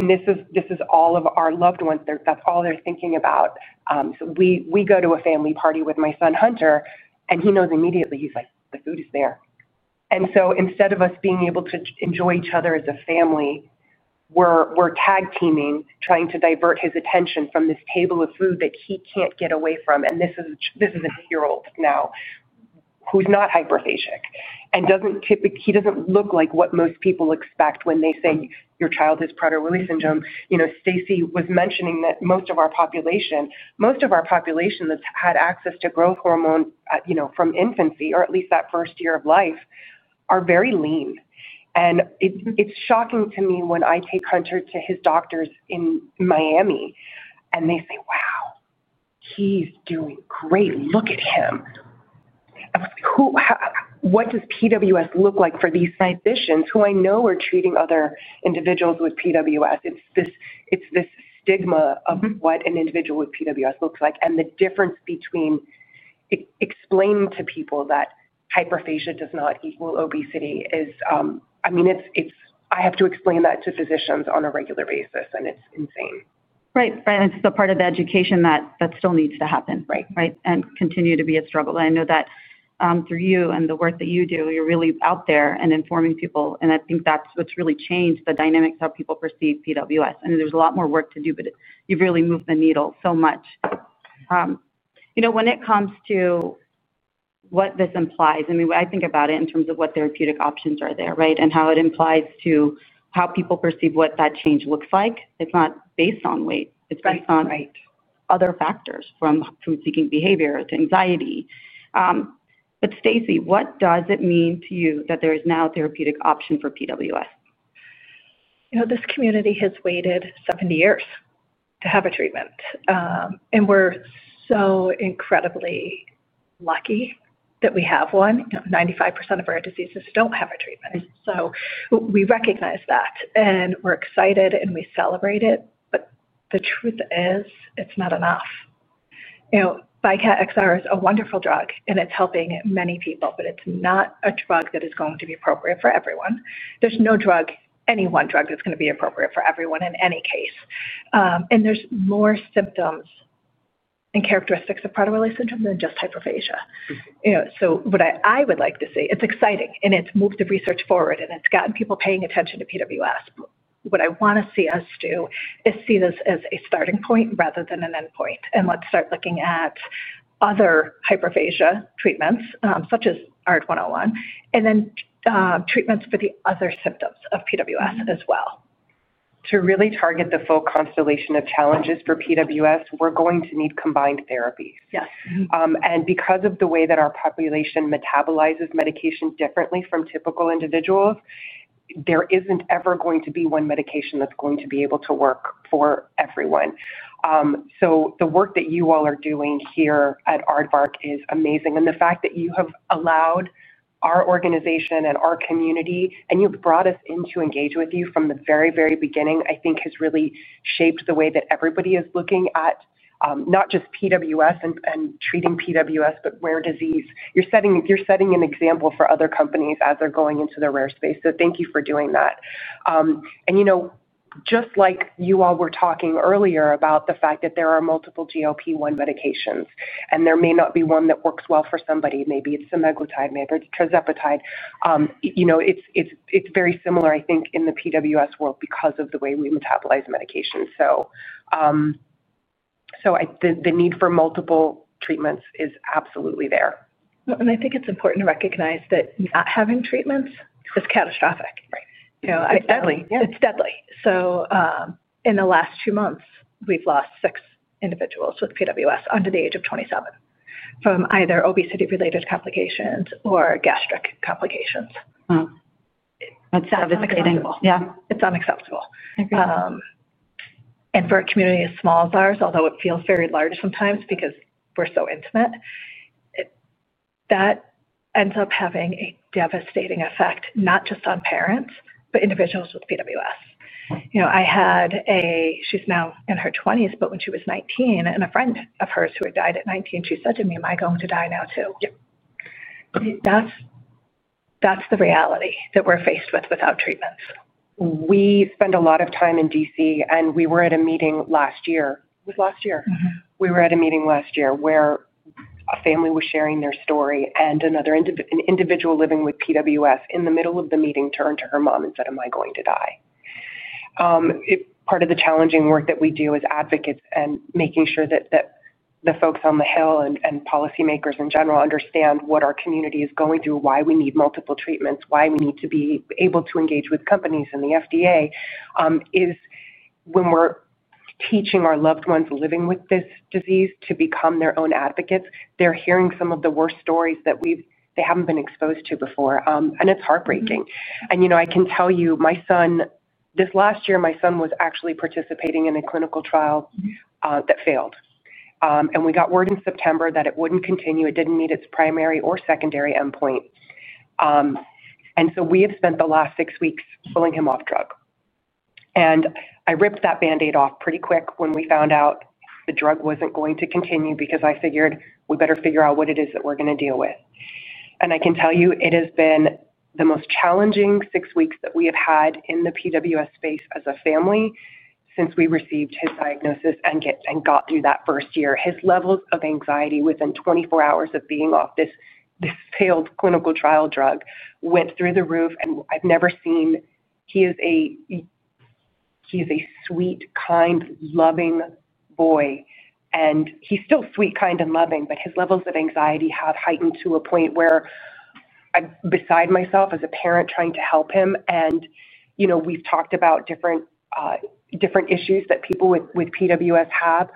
This is all of our loved ones. That's all they're thinking about. We go to a family party with my son, Hunter, and he knows immediately. He's like, "The food is there." Instead of us being able to enjoy each other as a family, we're tag teaming, trying to divert his attention from this table of food that he can't get away from. This is an eight-year-old now who's not hyperphagic. He doesn't look like what most people expect when they say your child has Prader-Willi Syndrome. Stacy was mentioning that most of our population, most of our population that's had access to growth hormone from infancy or at least that first year of life, are very lean. It's shocking to me when I take Hunter to his doctors in Miami, and they say, "Wow. He's doing great. Look at him." I was like, "What does PWS look like for these physicians who I know are treating other individuals with PWS?" It is this stigma of what an individual with PWS looks like and the difference between. Explaining to people that hyperphagia does not equal obesity. I mean, I have to explain that to physicians on a regular basis, and it is insane. Right. It is the part of education that still needs to happen, right? It will continue to be a struggle. I know that through you and the work that you do, you are really out there and informing people. I think that is what has really changed the dynamics of how people perceive PWS. There is a lot more work to do, but you have really moved the needle so much. When it comes to. What this implies, I mean, I think about it in terms of what therapeutic options are there, right, and how it implies to how people perceive what that change looks like. It's not based on weight. It's based on other factors from food-seeking behavior to anxiety. Stacy, what does it mean to you that there is now a therapeutic option for PWS? This community has waited 70 years to have a treatment. We are so incredibly lucky that we have one. 95% of our diseases do not have a treatment. We recognize that, and we are excited, and we celebrate it. The truth is, it's not enough. Imcivree is a wonderful drug, and it's helping many people, but it's not a drug that is going to be appropriate for everyone. There is no drug, any one drug, that's going to be appropriate for everyone in any case. There are more symptoms and characteristics of Prader-Willi Syndrome than just hyperphagia. What I would like to see, it's exciting, and it's moved the research forward, and it's gotten people paying attention to PWS. What I want to see us do is see this as a starting point rather than an endpoint. Let's start looking at other hyperphagia treatments, such as ARD-101, and then treatments for the other symptoms of PWS as well. To really target the full constellation of challenges for PWS, we're going to need combined therapies. Because of the way that our population metabolizes medication differently from typical individuals, there isn't ever going to be one medication that's going to be able to work for everyone. The work that you all are doing here at Aardvark is amazing. The fact that you have allowed our organization and our community, and you have brought us in to engage with you from the very, very beginning, I think, has really shaped the way that everybody is looking at not just PWS and treating PWS, but rare disease. You are setting an example for other companies as they are going into the rare space. Thank you for doing that. Just like you all were talking earlier about the fact that there are multiple GLP-1 medications, and there may not be one that works well for somebody. Maybe it is semaglutide, maybe it is tirzepatide. It is very similar, I think, in the PWS world because of the way we metabolize medication. The need for multiple treatments is absolutely there. I think it is important to recognize that not having treatments is catastrophic. It is deadly. It is deadly. In the last two months, we've lost six individuals with PWS under the age of 27 from either obesity-related complications or gastric complications. That's devastating. Yeah. It's unacceptable. For a community as small as ours, although it feels very large sometimes because we're so intimate, that ends up having a devastating effect, not just on parents, but individuals with PWS. I had a—she's now in her 20s, but when she was 19, and a friend of hers who had died at 19, she said to me, "Am I going to die now too?" That's the reality that we're faced with without treatments. We spend a lot of time in DC, and we were at a meeting last year. It was last year. We were at a meeting last year where a family was sharing their story, and another individual living with PWS, in the middle of the meeting, turned to her mom and said, "Am I going to die?" Part of the challenging work that we do as advocates and making sure that the folks on the Hill and policymakers in general understand what our community is going through, why we need multiple treatments, why we need to be able to engage with companies and the FDA. Is when we're teaching our loved ones living with this disease to become their own advocates, they're hearing some of the worst stories that they haven't been exposed to before. It's heartbreaking. I can tell you, my son, this last year, my son was actually participating in a clinical trial that failed. We got word in September that it wouldn't continue. It did not meet its primary or secondary endpoint. We have spent the last six weeks pulling him off drug. I ripped that Band-Aid off pretty quick when we found out the drug was not going to continue because I figured we better figure out what it is that we are going to deal with. I can tell you, it has been the most challenging six weeks that we have had in the PWS space as a family since we received his diagnosis and got through that first year. His levels of anxiety within 24 hours of being off this failed clinical trial drug went through the roof. I have never seen—he is a sweet, kind, loving boy. He is still sweet, kind, and loving, but his levels of anxiety have heightened to a point where I am beside myself as a parent trying to help him. We have talked about different issues that people with PWS have.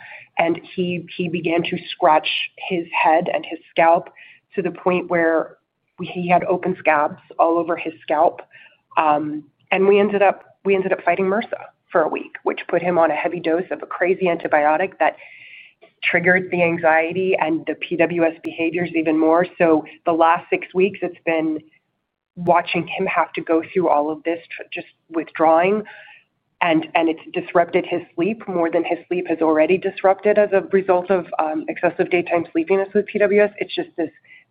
He began to scratch his head and his scalp to the point where he had open scabs all over his scalp. We ended up fighting MRSA for a week, which put him on a heavy dose of a crazy antibiotic that triggered the anxiety and the PWS behaviors even more. The last six weeks, it has been watching him have to go through all of this just withdrawing. It has disrupted his sleep more than his sleep has already been disrupted as a result of excessive daytime sleepiness with PWS. It is just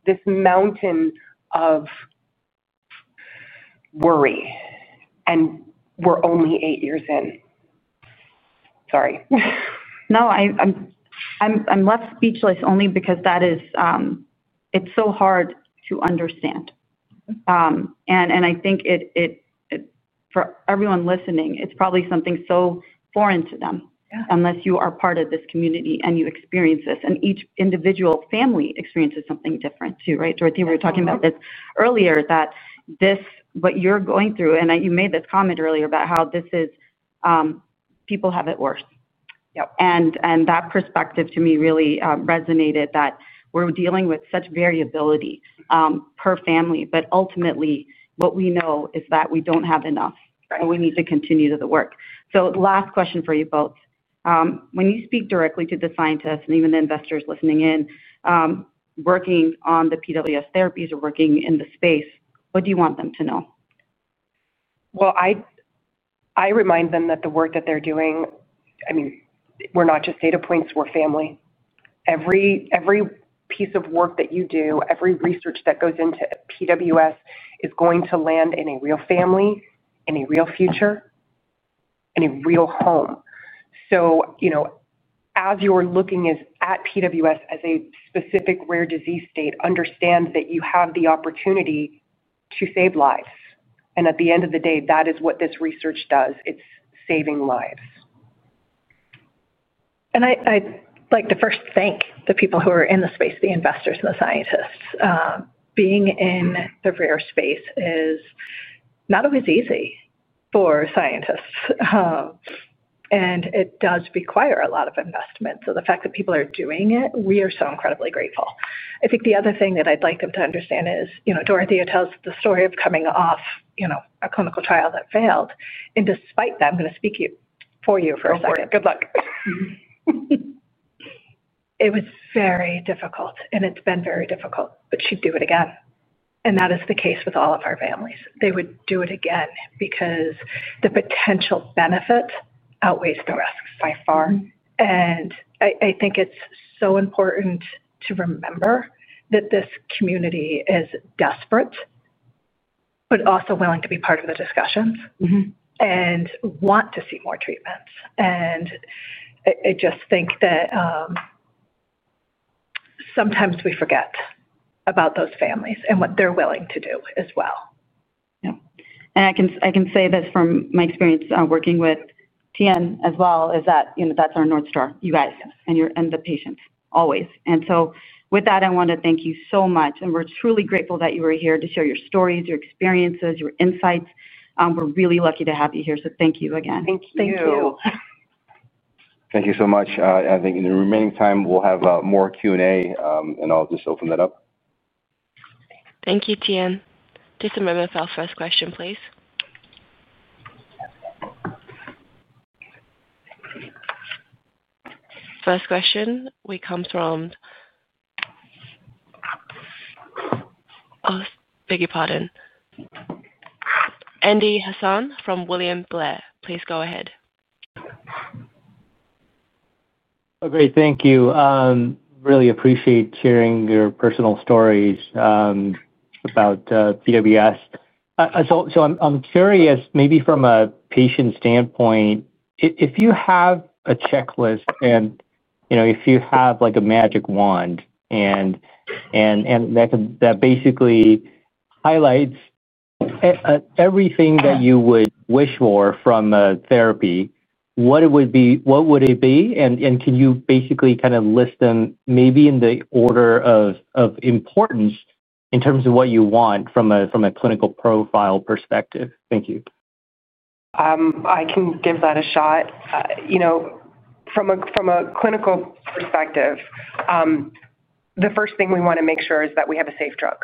this mountain of worry. We are only eight years in. Sorry. No, I am left speechless only because that is, it is so hard to understand. I think. For everyone listening, it's probably something so foreign to them unless you are part of this community and you experience this. And each individual family experiences something different too, right? Dorothea, we were talking about this earlier, that. What you're going through—and you made this comment earlier about how. People have it worse. That perspective, to me, really resonated that we're dealing with such variability per family. Ultimately, what we know is that we don't have enough, and we need to continue the work. Last question for you both. When you speak directly to the scientists and even the investors listening in. Working on the PWS therapies or working in the space, what do you want them to know? I remind them that the work that they're doing—I mean, we're not just data points. We're family. Every piece of work that you do, every research that goes into PWS is going to land in a real family, in a real future. In a real home. As you're looking at PWS as a specific rare disease state, understand that you have the opportunity to save lives. At the end of the day, that is what this research does. It's saving lives. I'd like to first thank the people who are in the space, the investors, and the scientists. Being in the rare space is not always easy for scientists. It does require a lot of investment. The fact that people are doing it, we are so incredibly grateful. I think the other thing that I'd like them to understand is Dorothea tells the story of coming off a clinical trial that failed. Despite that, I'm going to speak for you for a second. Good luck. It was very difficult, and it's been very difficult, but she'd do it again. That is the case with all of our families. They would do it again because the potential benefit outweighs the risk by far. I think it's so important to remember that this community is desperate, but also willing to be part of the discussions and want to see more treatments. I just think that sometimes we forget about those families and what they're willing to do as well. Yeah. I can say this from my experience working with Tien as well, is that that's our north star, you guys and the patients, always. With that, I want to thank you so much. We're truly grateful that you were here to share your stories, your experiences, your insights. We're really lucky to have you here. Thank you again. Thank you. Thank you. Thank you so much. I think in the remaining time, we'll have more Q&A, and I'll just open that up. Thank you, Tien. Just a moment for our first question, please. First question comes from, pardon, Andy Hsieh from William Blair. Please go ahead. Okay. Thank you. Really appreciate hearing your personal stories about PWS. I'm curious, maybe from a patient standpoint, if you have a checklist and if you have a magic wand that basically highlights everything that you would wish for from a therapy, what would it be? Can you basically kind of list them maybe in the order of importance in terms of what you want from a clinical profile perspective? Thank you. I can give that a shot. From a clinical perspective, the first thing we want to make sure is that we have a safe drug.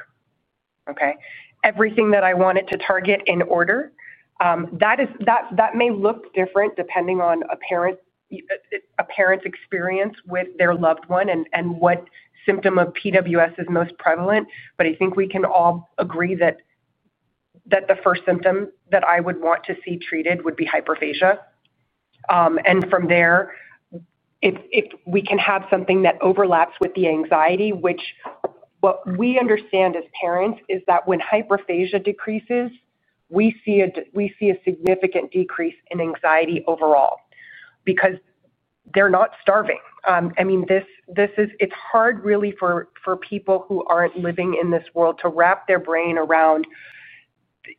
Okay? Everything that I want it to target in order, that may look different depending on a parent's experience with their loved one and what symptom of PWS is most prevalent. I think we can all agree that the first symptom that I would want to see treated would be hyperphagia. From there, if we can have something that overlaps with the anxiety, which, what we understand as parents is that when hyperphagia decreases, we see a significant decrease in anxiety overall because they're not starving. I mean, it's hard really for people who aren't living in this world to wrap their brain around.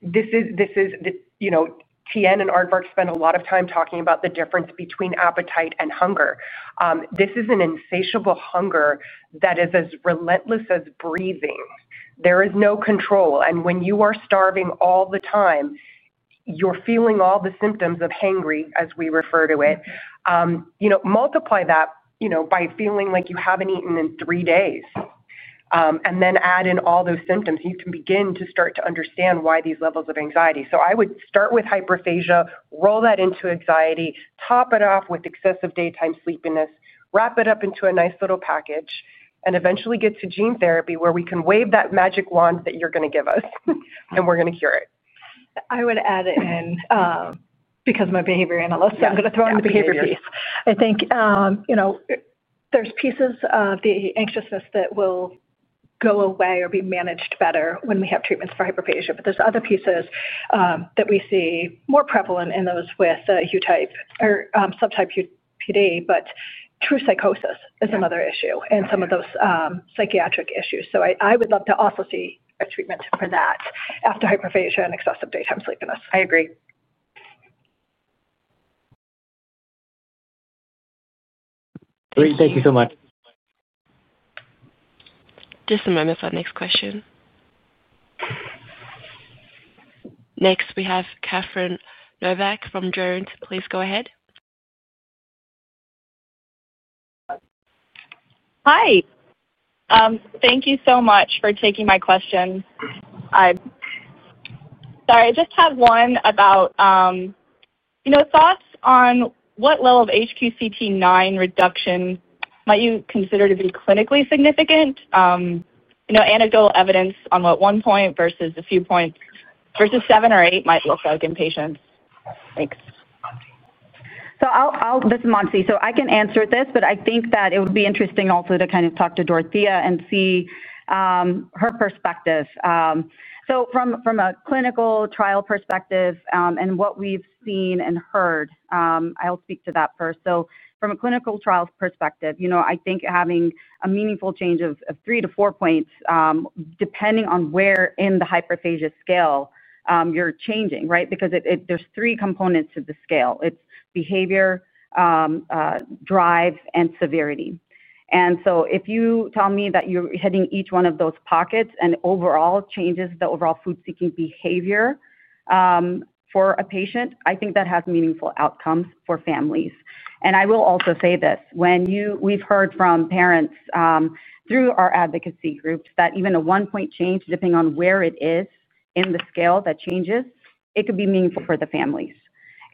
This is. Tien and Aardvark spent a lot of time talking about the difference between appetite and hunger. This is an insatiable hunger that is as relentless as breathing. There is no control. When you are starving all the time, you're feeling all the symptoms of hangry, as we refer to it. Multiply that by feeling like you haven't eaten in three days. Add in all those symptoms, you can begin to start to understand why these levels of anxiety. I would start with hyperphagia, roll that into anxiety, top it off with excessive daytime sleepiness, wrap it up into a nice little package, and eventually get to gene therapy where we can wave that magic wand that you're going to give us, and we're going to cure it. I would add in. Because I'm a behavior analyst, I'm going to throw in the behavior piece. I think. There are pieces of the anxiousness that will go away or be managed better when we have treatments for hyperphagia. But there are other pieces that we see more prevalent in those with [subtype PD], but true psychosis is another issue and some of those psychiatric issues. I would love to also see a treatment for that after hyperphagia and excessive daytime sleepiness. I agree. Great. Thank you so much. Just a moment for our next question. Next, we have Katherine Novak from Durant. Please go ahead. Hi. Thank you so much for taking my question. I. Sorry. I just have one about. Thoughts on what level of HQ-CT9 reduction might you consider to be clinically significant? Anecdotal evidence on what one point versus a few points versus seven or eight might look like in patients. Thanks. So this is Manasi. I can answer this, but I think that it would be interesting also to kind of talk to Donineothea and see her perspective. From a clinical trial perspective and what we've seen and heard, I'll speak to that first. From a clinical trial perspective, I think having a meaningful change of three to four points, depending on where in the hyperphagia scale you're changing, right? Because there's three components to the scale: behavior, drive, and severity. If you tell me that you're hitting each one of those pockets and overall changes the overall food-seeking behavior for a patient, I think that has meaningful outcomes for families. I will also say this: when we've heard from parents through our advocacy groups that even a one-point change, depending on where it is in the scale that changes, it could be meaningful for the families.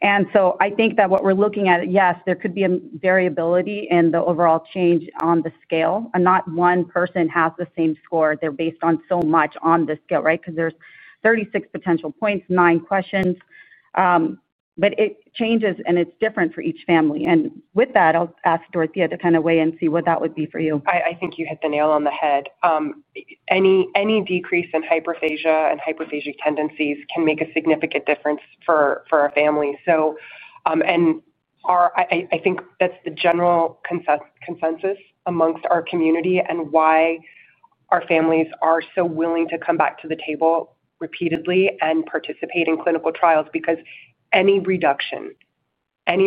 I think that what we're looking at, yes, there could be a variability in the overall change on the scale. Not one person has the same score. They're based so much on the scale, right? Because there's 36 potential points, nine questions. It changes, and it's different for each family. With that, I'll ask Dorothea to kind of weigh in and see what that would be for you. I think you hit the nail on the head. Any decrease in hyperphagia and hyperphagic tendencies can make a significant difference for a family. I think that's the general consensus amongst our community and why our families are so willing to come back to the table repeatedly and participate in clinical trials because any reduction. In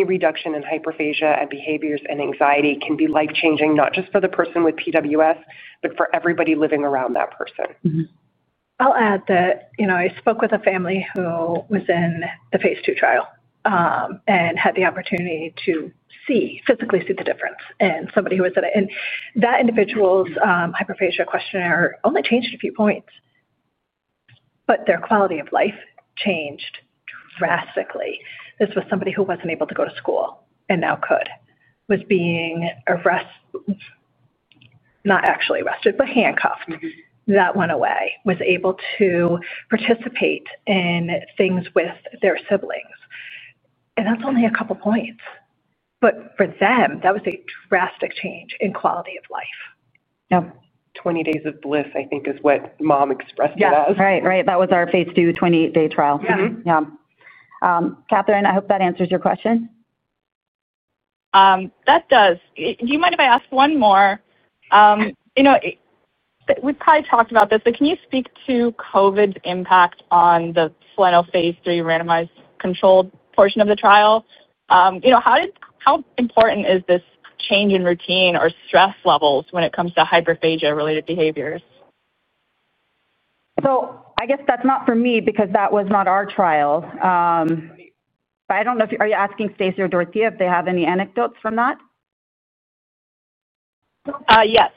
hyperphagia and behaviors and anxiety can be life-changing, not just for the person with PWS, but for everybody living around that person. I'll add that I spoke with a family who was in the phase II trial and had the opportunity to physically see the difference in somebody who was in it. And that individual's hyperphagia questionnaire only changed a few points, but their quality of life changed drastically. This was somebody who wasn't able to go to school and now could, was being, not actually arrested, but handcuffed. That went away. Was able to participate in things with their siblings. And that's only a couple of points, but for them, that was a drastic change in quality of life. Yeah. Twenty days of bliss, I think, is what Mom expressed it as. Yeah. Right. Right. That was our phase II 28-day trial. Yeah. Katherine, I hope that answers your question. That does. Do you mind if I ask one more? We've probably talked about this, but can you speak to COVID's impact on the phase III randomized controlled portion of the trial? How important is this change in routine or stress levels when it comes to hyperphagia-related behaviors? I guess that's not for me because that was not our trial. I don't know if you're asking Stacy or Dorothea if they have any anecdotes from that. Yes.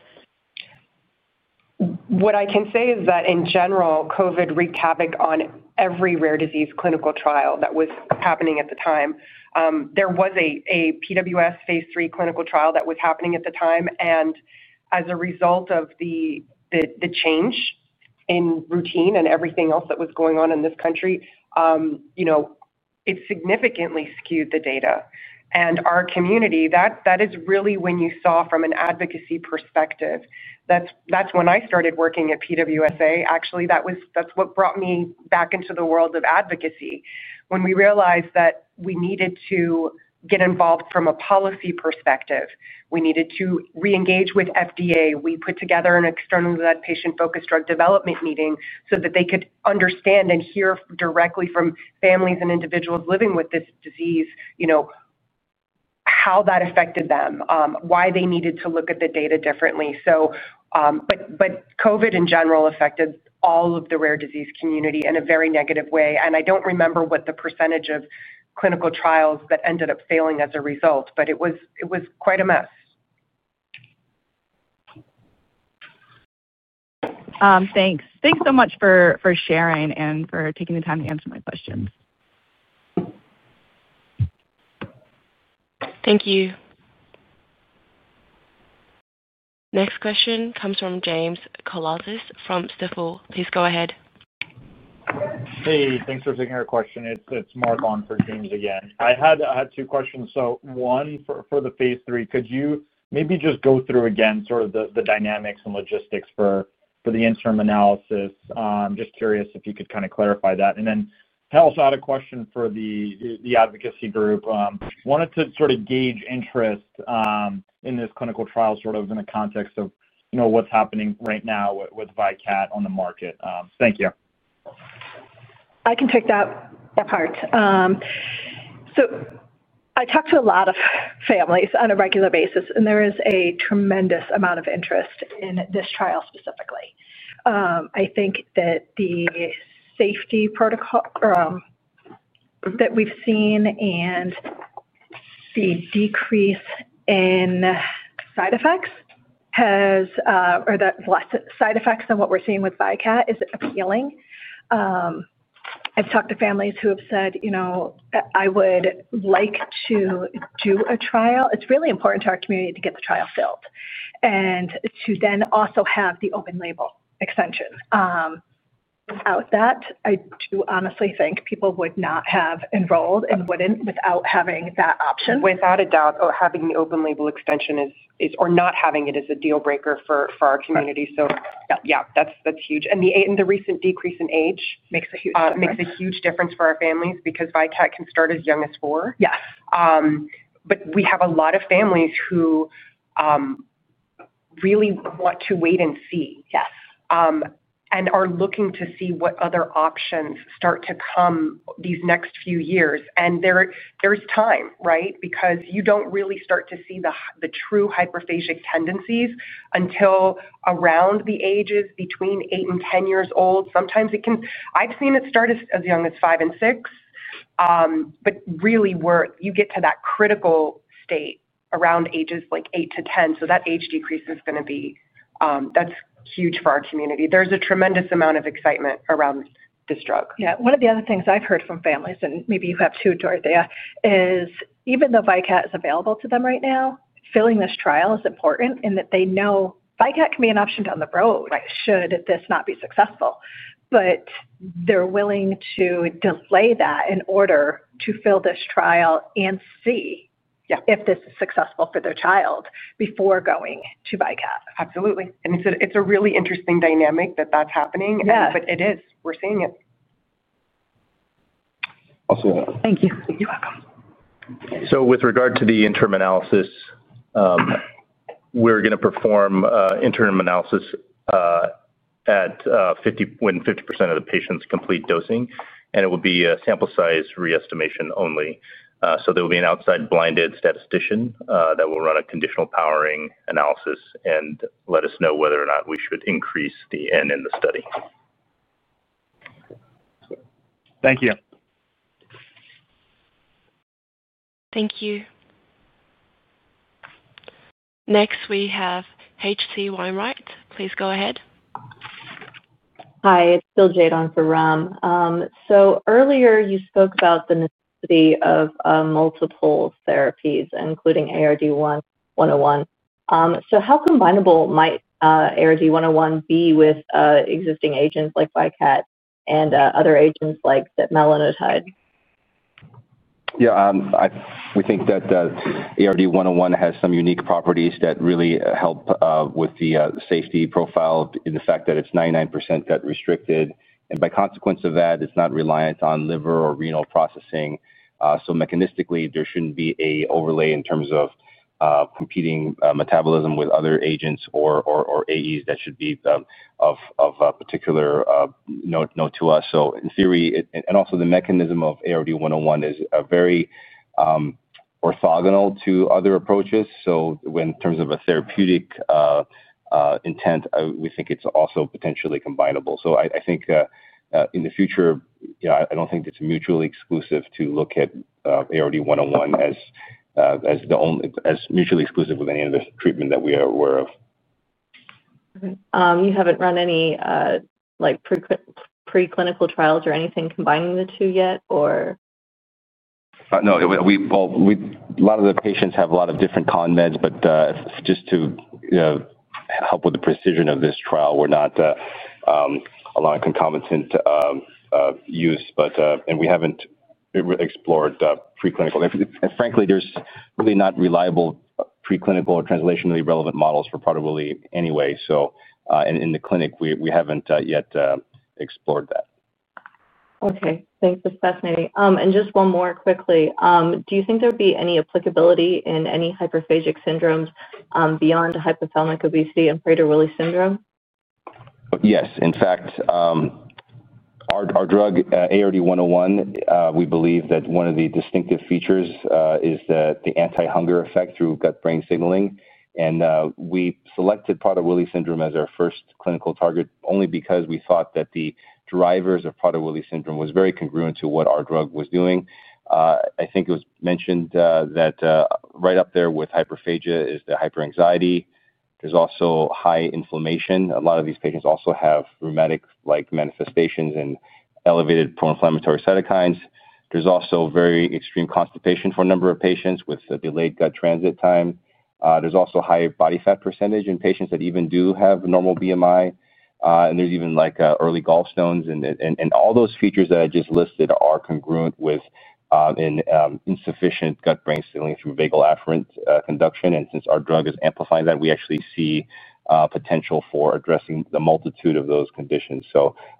What I can say is that, in general, COVID wreaked havoc on every rare disease clinical trial that was happening at the time. There was a PWS phase III clinical trial that was happening at the time. As a result of the change in routine and everything else that was going on in this country, it significantly skewed the data. Our community, that is really when you saw from an advocacy perspective. That's when I started working at PWSA. Actually, that's what brought me back into the world of advocacy. When we realized that we needed to get involved from a policy perspective, we needed to reengage with FDA. We put together an external patient-focused drug development meeting so that they could understand and hear directly from families and individuals living with this disease. How that affected them, why they needed to look at the data differently. COVID, in general, affected all of the rare disease community in a very negative way. I don't remember what the percentage of clinical trials that ended up failing as a result was, but it was quite a mess. Thanks. Thanks so much for sharing and for taking the time to answer my questions. Thank you. Next question comes from James Condulis from Stifel. Please go ahead. Hey, thanks for taking our question. It's Mark on for James again. I had two questions. One for the phase III, could you maybe just go through again sort of the dynamics and logistics for the interim analysis? I'm just curious if you could kind of clarify that. I also had a question for the advocacy group. I wanted to sort of gauge interest in this clinical trial sort of in the context of what's happening right now with Vykat on the market. Thank you I can take that apart. I talk to a lot of families on a regular basis, and there is a tremendous amount of interest in this trial specifically. I think that the safety protocol that we've seen and the decrease in side effects. Or that less side effects than what we're seeing withVykat is appealing. I've talked to families who have said, "I would like to do a trial." It's really important to our community to get the trial filled and to then also have the open-label extension. Without that, I do honestly think people would not have enrolled in. Wouldn't without having that option. Without a doubt, having the open-label extension or not having it is a deal-breaker for our community. Yeah, that's huge. The recent decrease in age makes a huge difference for our families because Vykat can start as young as four. We have a lot of families who really want to wait and see and are looking to see what other options start to come these next few years. There's time, right? Because you do not really start to see the true hyperphagic tendencies until around the ages between eight and ten years old. Sometimes it can—I have seen it start as young as five and six. Really, you get to that critical state around ages like eight to ten. That age decrease is going to be—that is huge for our community. There is a tremendous amount of excitement around this drug. Yeah. One of the other things I have heard from families, and maybe you have too, Dorothea, is even though Vykat is available to them right now, filling this trial is important in that they know Vykat can be an option down the road should this not be successful. They are willing to delay that in order to fill this trial and see if this is successful for their child before going to Vykat. Absolutely. It is a really interesting dynamic that is happening. It is. We are seeing it. With regard to the interim analysis, we are going to perform interim analysis when 50% of the patients complete dosing. It will be a sample size re-estimation only. There will be an outside blinded statistician that will run a conditional powering analysis and let us know whether or not we should increase the in the study. Thank you. Thank you. Next, we have H.C. Wainwright. Please go ahead. Hi. It is Jade on for Ram. Earlier, you spoke about the necessity of multiple therapies, including ARD-101. How combinable might ARD-101 be with existing agents like Vykat and other agents like that melanotide? Yeah. We think that ARD-101 has some unique properties that really help with the safety profile in the fact that it is 99% gut-restricted. By consequence of that, it's not reliant on liver or renal processing. Mechanistically, there shouldn't be an overlay in terms of competing metabolism with other agents or AEs that should be of particular note to us. In theory, and also the mechanism of ARD-101 is very orthogonal to other approaches. In terms of a therapeutic intent, we think it's also potentially combinable. I think in the future, I don't think it's mutually exclusive to look at ARD-101 as mutually exclusive with any other treatment that we are aware of. You haven't run any preclinical trials or anything combining the two yet, or? No. A lot of the patients have a lot of different con meds. Just to help with the precision of this trial, we're not allowing concomitant use. We haven't explored preclinical. Frankly, there's really not reliable preclinical or translationally relevant models for Prader-Willi anyway. In the clinic, we haven't yet explored that. Okay. Thanks. That's fascinating. Just one more quickly. Do you think there would be any applicability in any hyperphagic syndromes beyond hypothalamic obesity and Prader-Willi Syndrome? Yes. In fact, our drug, ARD-101, we believe that one of the distinctive features is the anti-hunger effect through gut-brain signaling. We selected Prader-Willi Syndrome as our first clinical target only because we thought that the drivers of Prader-Willi Syndrome were very congruent to what our drug was doing. I think it was mentioned that right up there with hyperphagia is the hyperanxiety. There's also high inflammation. A lot of these patients also have rheumatic-like manifestations and elevated pro-inflammatory cytokines. There's also very extreme constipation for a number of patients with delayed gut transit time. There's also high body fat percentage in patients that even do have normal BMI. There's even early gallstones. All those features that I just listed are congruent with insufficient gut-brain signaling through vagal afferent conduction. Since our drug is amplifying that, we actually see potential for addressing the multitude of those conditions.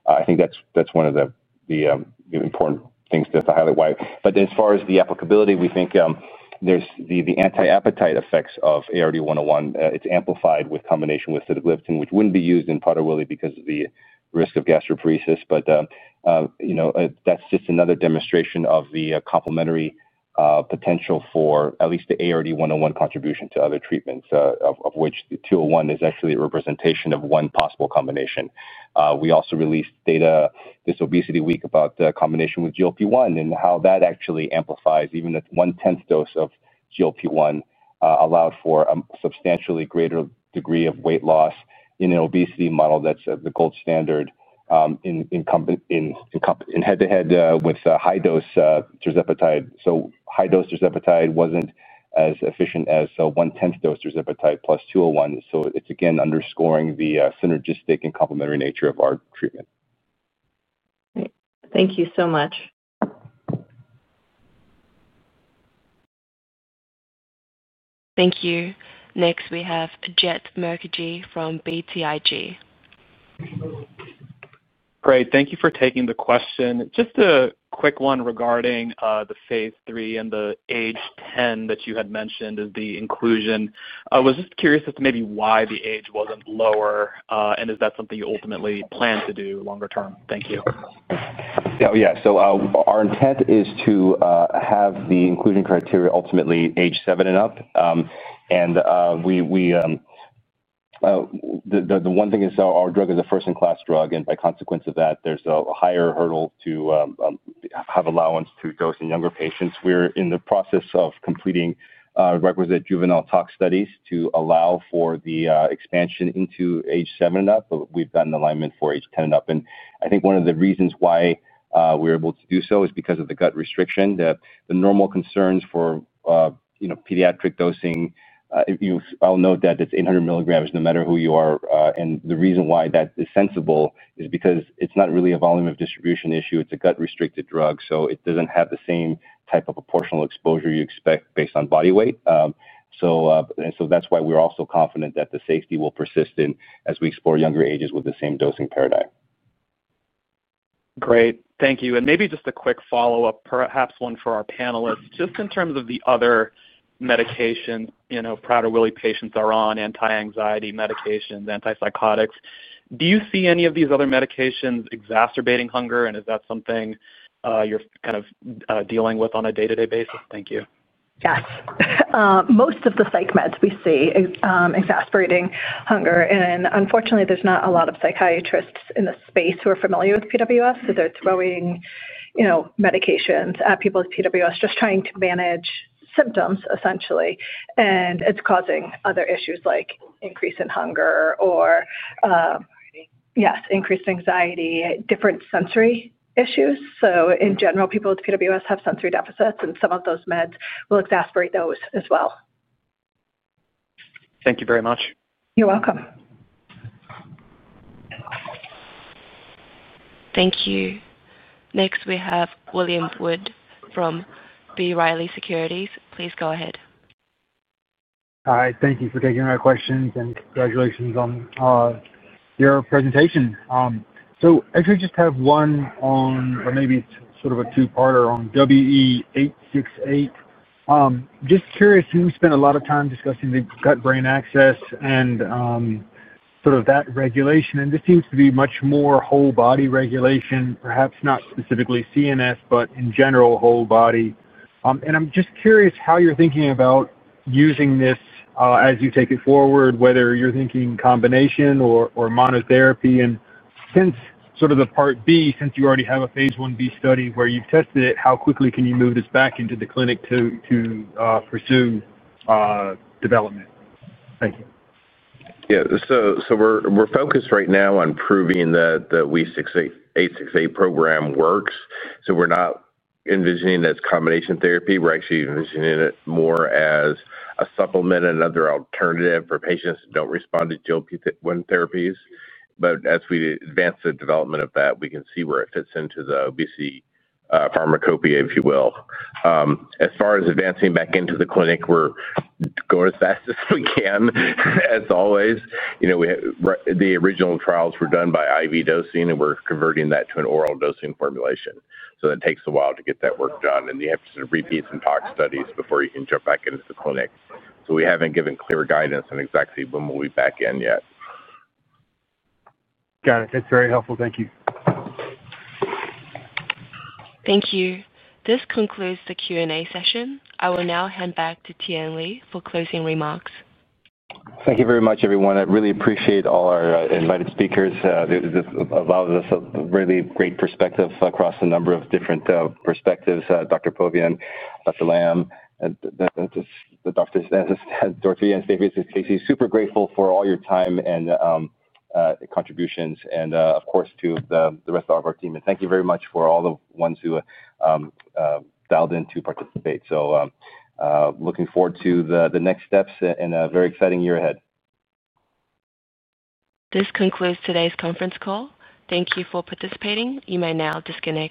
I think that's one of the important things to highlight. As far as the applicability, we think the anti-appetite effects of ARD-101, it's amplified with combination with sitagliptin, which wouldn't be used in Prader-Willi because of the risk of gastroparesis. That's just another demonstration of the complementary potential for at least the ARD-101 contribution to other treatments, of which the 201 is actually a representation of one possible combination. We also released data this Obesity Week about the combination with GLP-1 and how that actually amplifies even a one-tenth dose of GLP-1 allowed for a substantially greater degree of weight loss in an obesity model that's the gold standard. In head-to-head with high-dose tirzepatide. High-dose tirzepatide was not as efficient as one-tenth dose tirzepatide plus 201. It is, again, underscoring the synergistic and complementary nature of our treatment. Thank you so much. Thank you. Next, we have Jeet Mukherjee from BTIG. Great. Thank you for taking the question. Just a quick one regarding the phase III and the age 10 that you had mentioned as the inclusion. I was just curious as to maybe why the age was not lower, and is that something you ultimately plan to do longer term? Thank you. Yeah. Our intent is to have the inclusion criteria ultimately age seven and up. The one thing is our drug is a first-in-class drug. By consequence of that, there's a higher hurdle to have allowance to dose in younger patients. We're in the process of completing requisite juvenile tox studies to allow for the expansion into age seven and up. We've gotten alignment for age 10 and up. I think one of the reasons why we're able to do so is because of the gut restriction. The normal concerns for pediatric dosing. I'll note that it's 800 milligrams no matter who you are. The reason why that is sensible is because it's not really a volume of distribution issue. It's a gut-restricted drug. It doesn't have the same type of proportional exposure you expect based on body weight. That is why we are also confident that the safety will persist as we explore younger ages with the same dosing paradigm. Great. Thank you. Maybe just a quick follow-up, perhaps one for our panelists, just in terms of the other medications Prader-Willi patients are on, anti-anxiety medications, antipsychotics. Do you see any of these other medications exacerbating hunger? Is that something you are kind of dealing with on a day-to-day basis? Thank you. Yes. Most of the psych meds we see exacerbating hunger. Unfortunately, there are not a lot of psychiatrists in the space who are familiar with PWS. They are throwing medications at people with PWS, just trying to manage symptoms, essentially. It is causing other issues like increase in hunger or increased anxiety, different sensory issues. In general, people with PWS have sensory deficits. Some of those meds will exacerbate those as well. Thank you very much. You're welcome. Thank you. Next, we have William Wood from B. Reilly Securities. Please go ahead. Hi. Thank you for taking our questions. Congratulations on your presentation. I actually just have one on, or maybe it's sort of a two-parter on WE-868. Just curious, you spent a lot of time discussing the gut-brain axis and sort of that regulation. This seems to be much more whole-body regulation, perhaps not specifically CNS, but in general, whole body. I'm just curious how you're thinking about using this as you take it forward, whether you're thinking combination or monotherapy. Sort of the part b, since you already have a phase I-b study where you've tested it, how quickly can you move this back into the clinic to pursue development? Thank you. Yeah. We're focused right now on proving that the WE-868 program works. We're not envisioning it as combination therapy. We're actually envisioning it more as a supplement, another alternative for patients that don't respond to GLP-1 therapies. As we advance the development of that, we can see where it fits into the obesity pharmacopia, if you will. As far as advancing back into the clinic, we're going as fast as we can, as always. The original trials were done by IV dosing, and we're converting that to an oral dosing formulation. That takes a while to get that work done. You have to repeat some tox studies before you can jump back into the clinic. We haven't given clear guidance on exactly when we'll be back in yet. Got it. That's very helpful. Thank you. Thank you. This concludes the Q&A session. I will now hand back to Tien Lee for closing remarks. Thank you very much, everyone. I really appreciate all our invited speakers. This allows us a really great perspective across a number of different perspectives. Dr. Apovian, Dr. Lam, Dr. Jaiman, Stacy, super grateful for all your time and contributions, and of course, to the rest of our team. Thank you very much for all the ones who dialed in to participate. Looking forward to the next steps and a very exciting year ahead. This concludes today's conference call. Thank you for participating. You may now disconnect.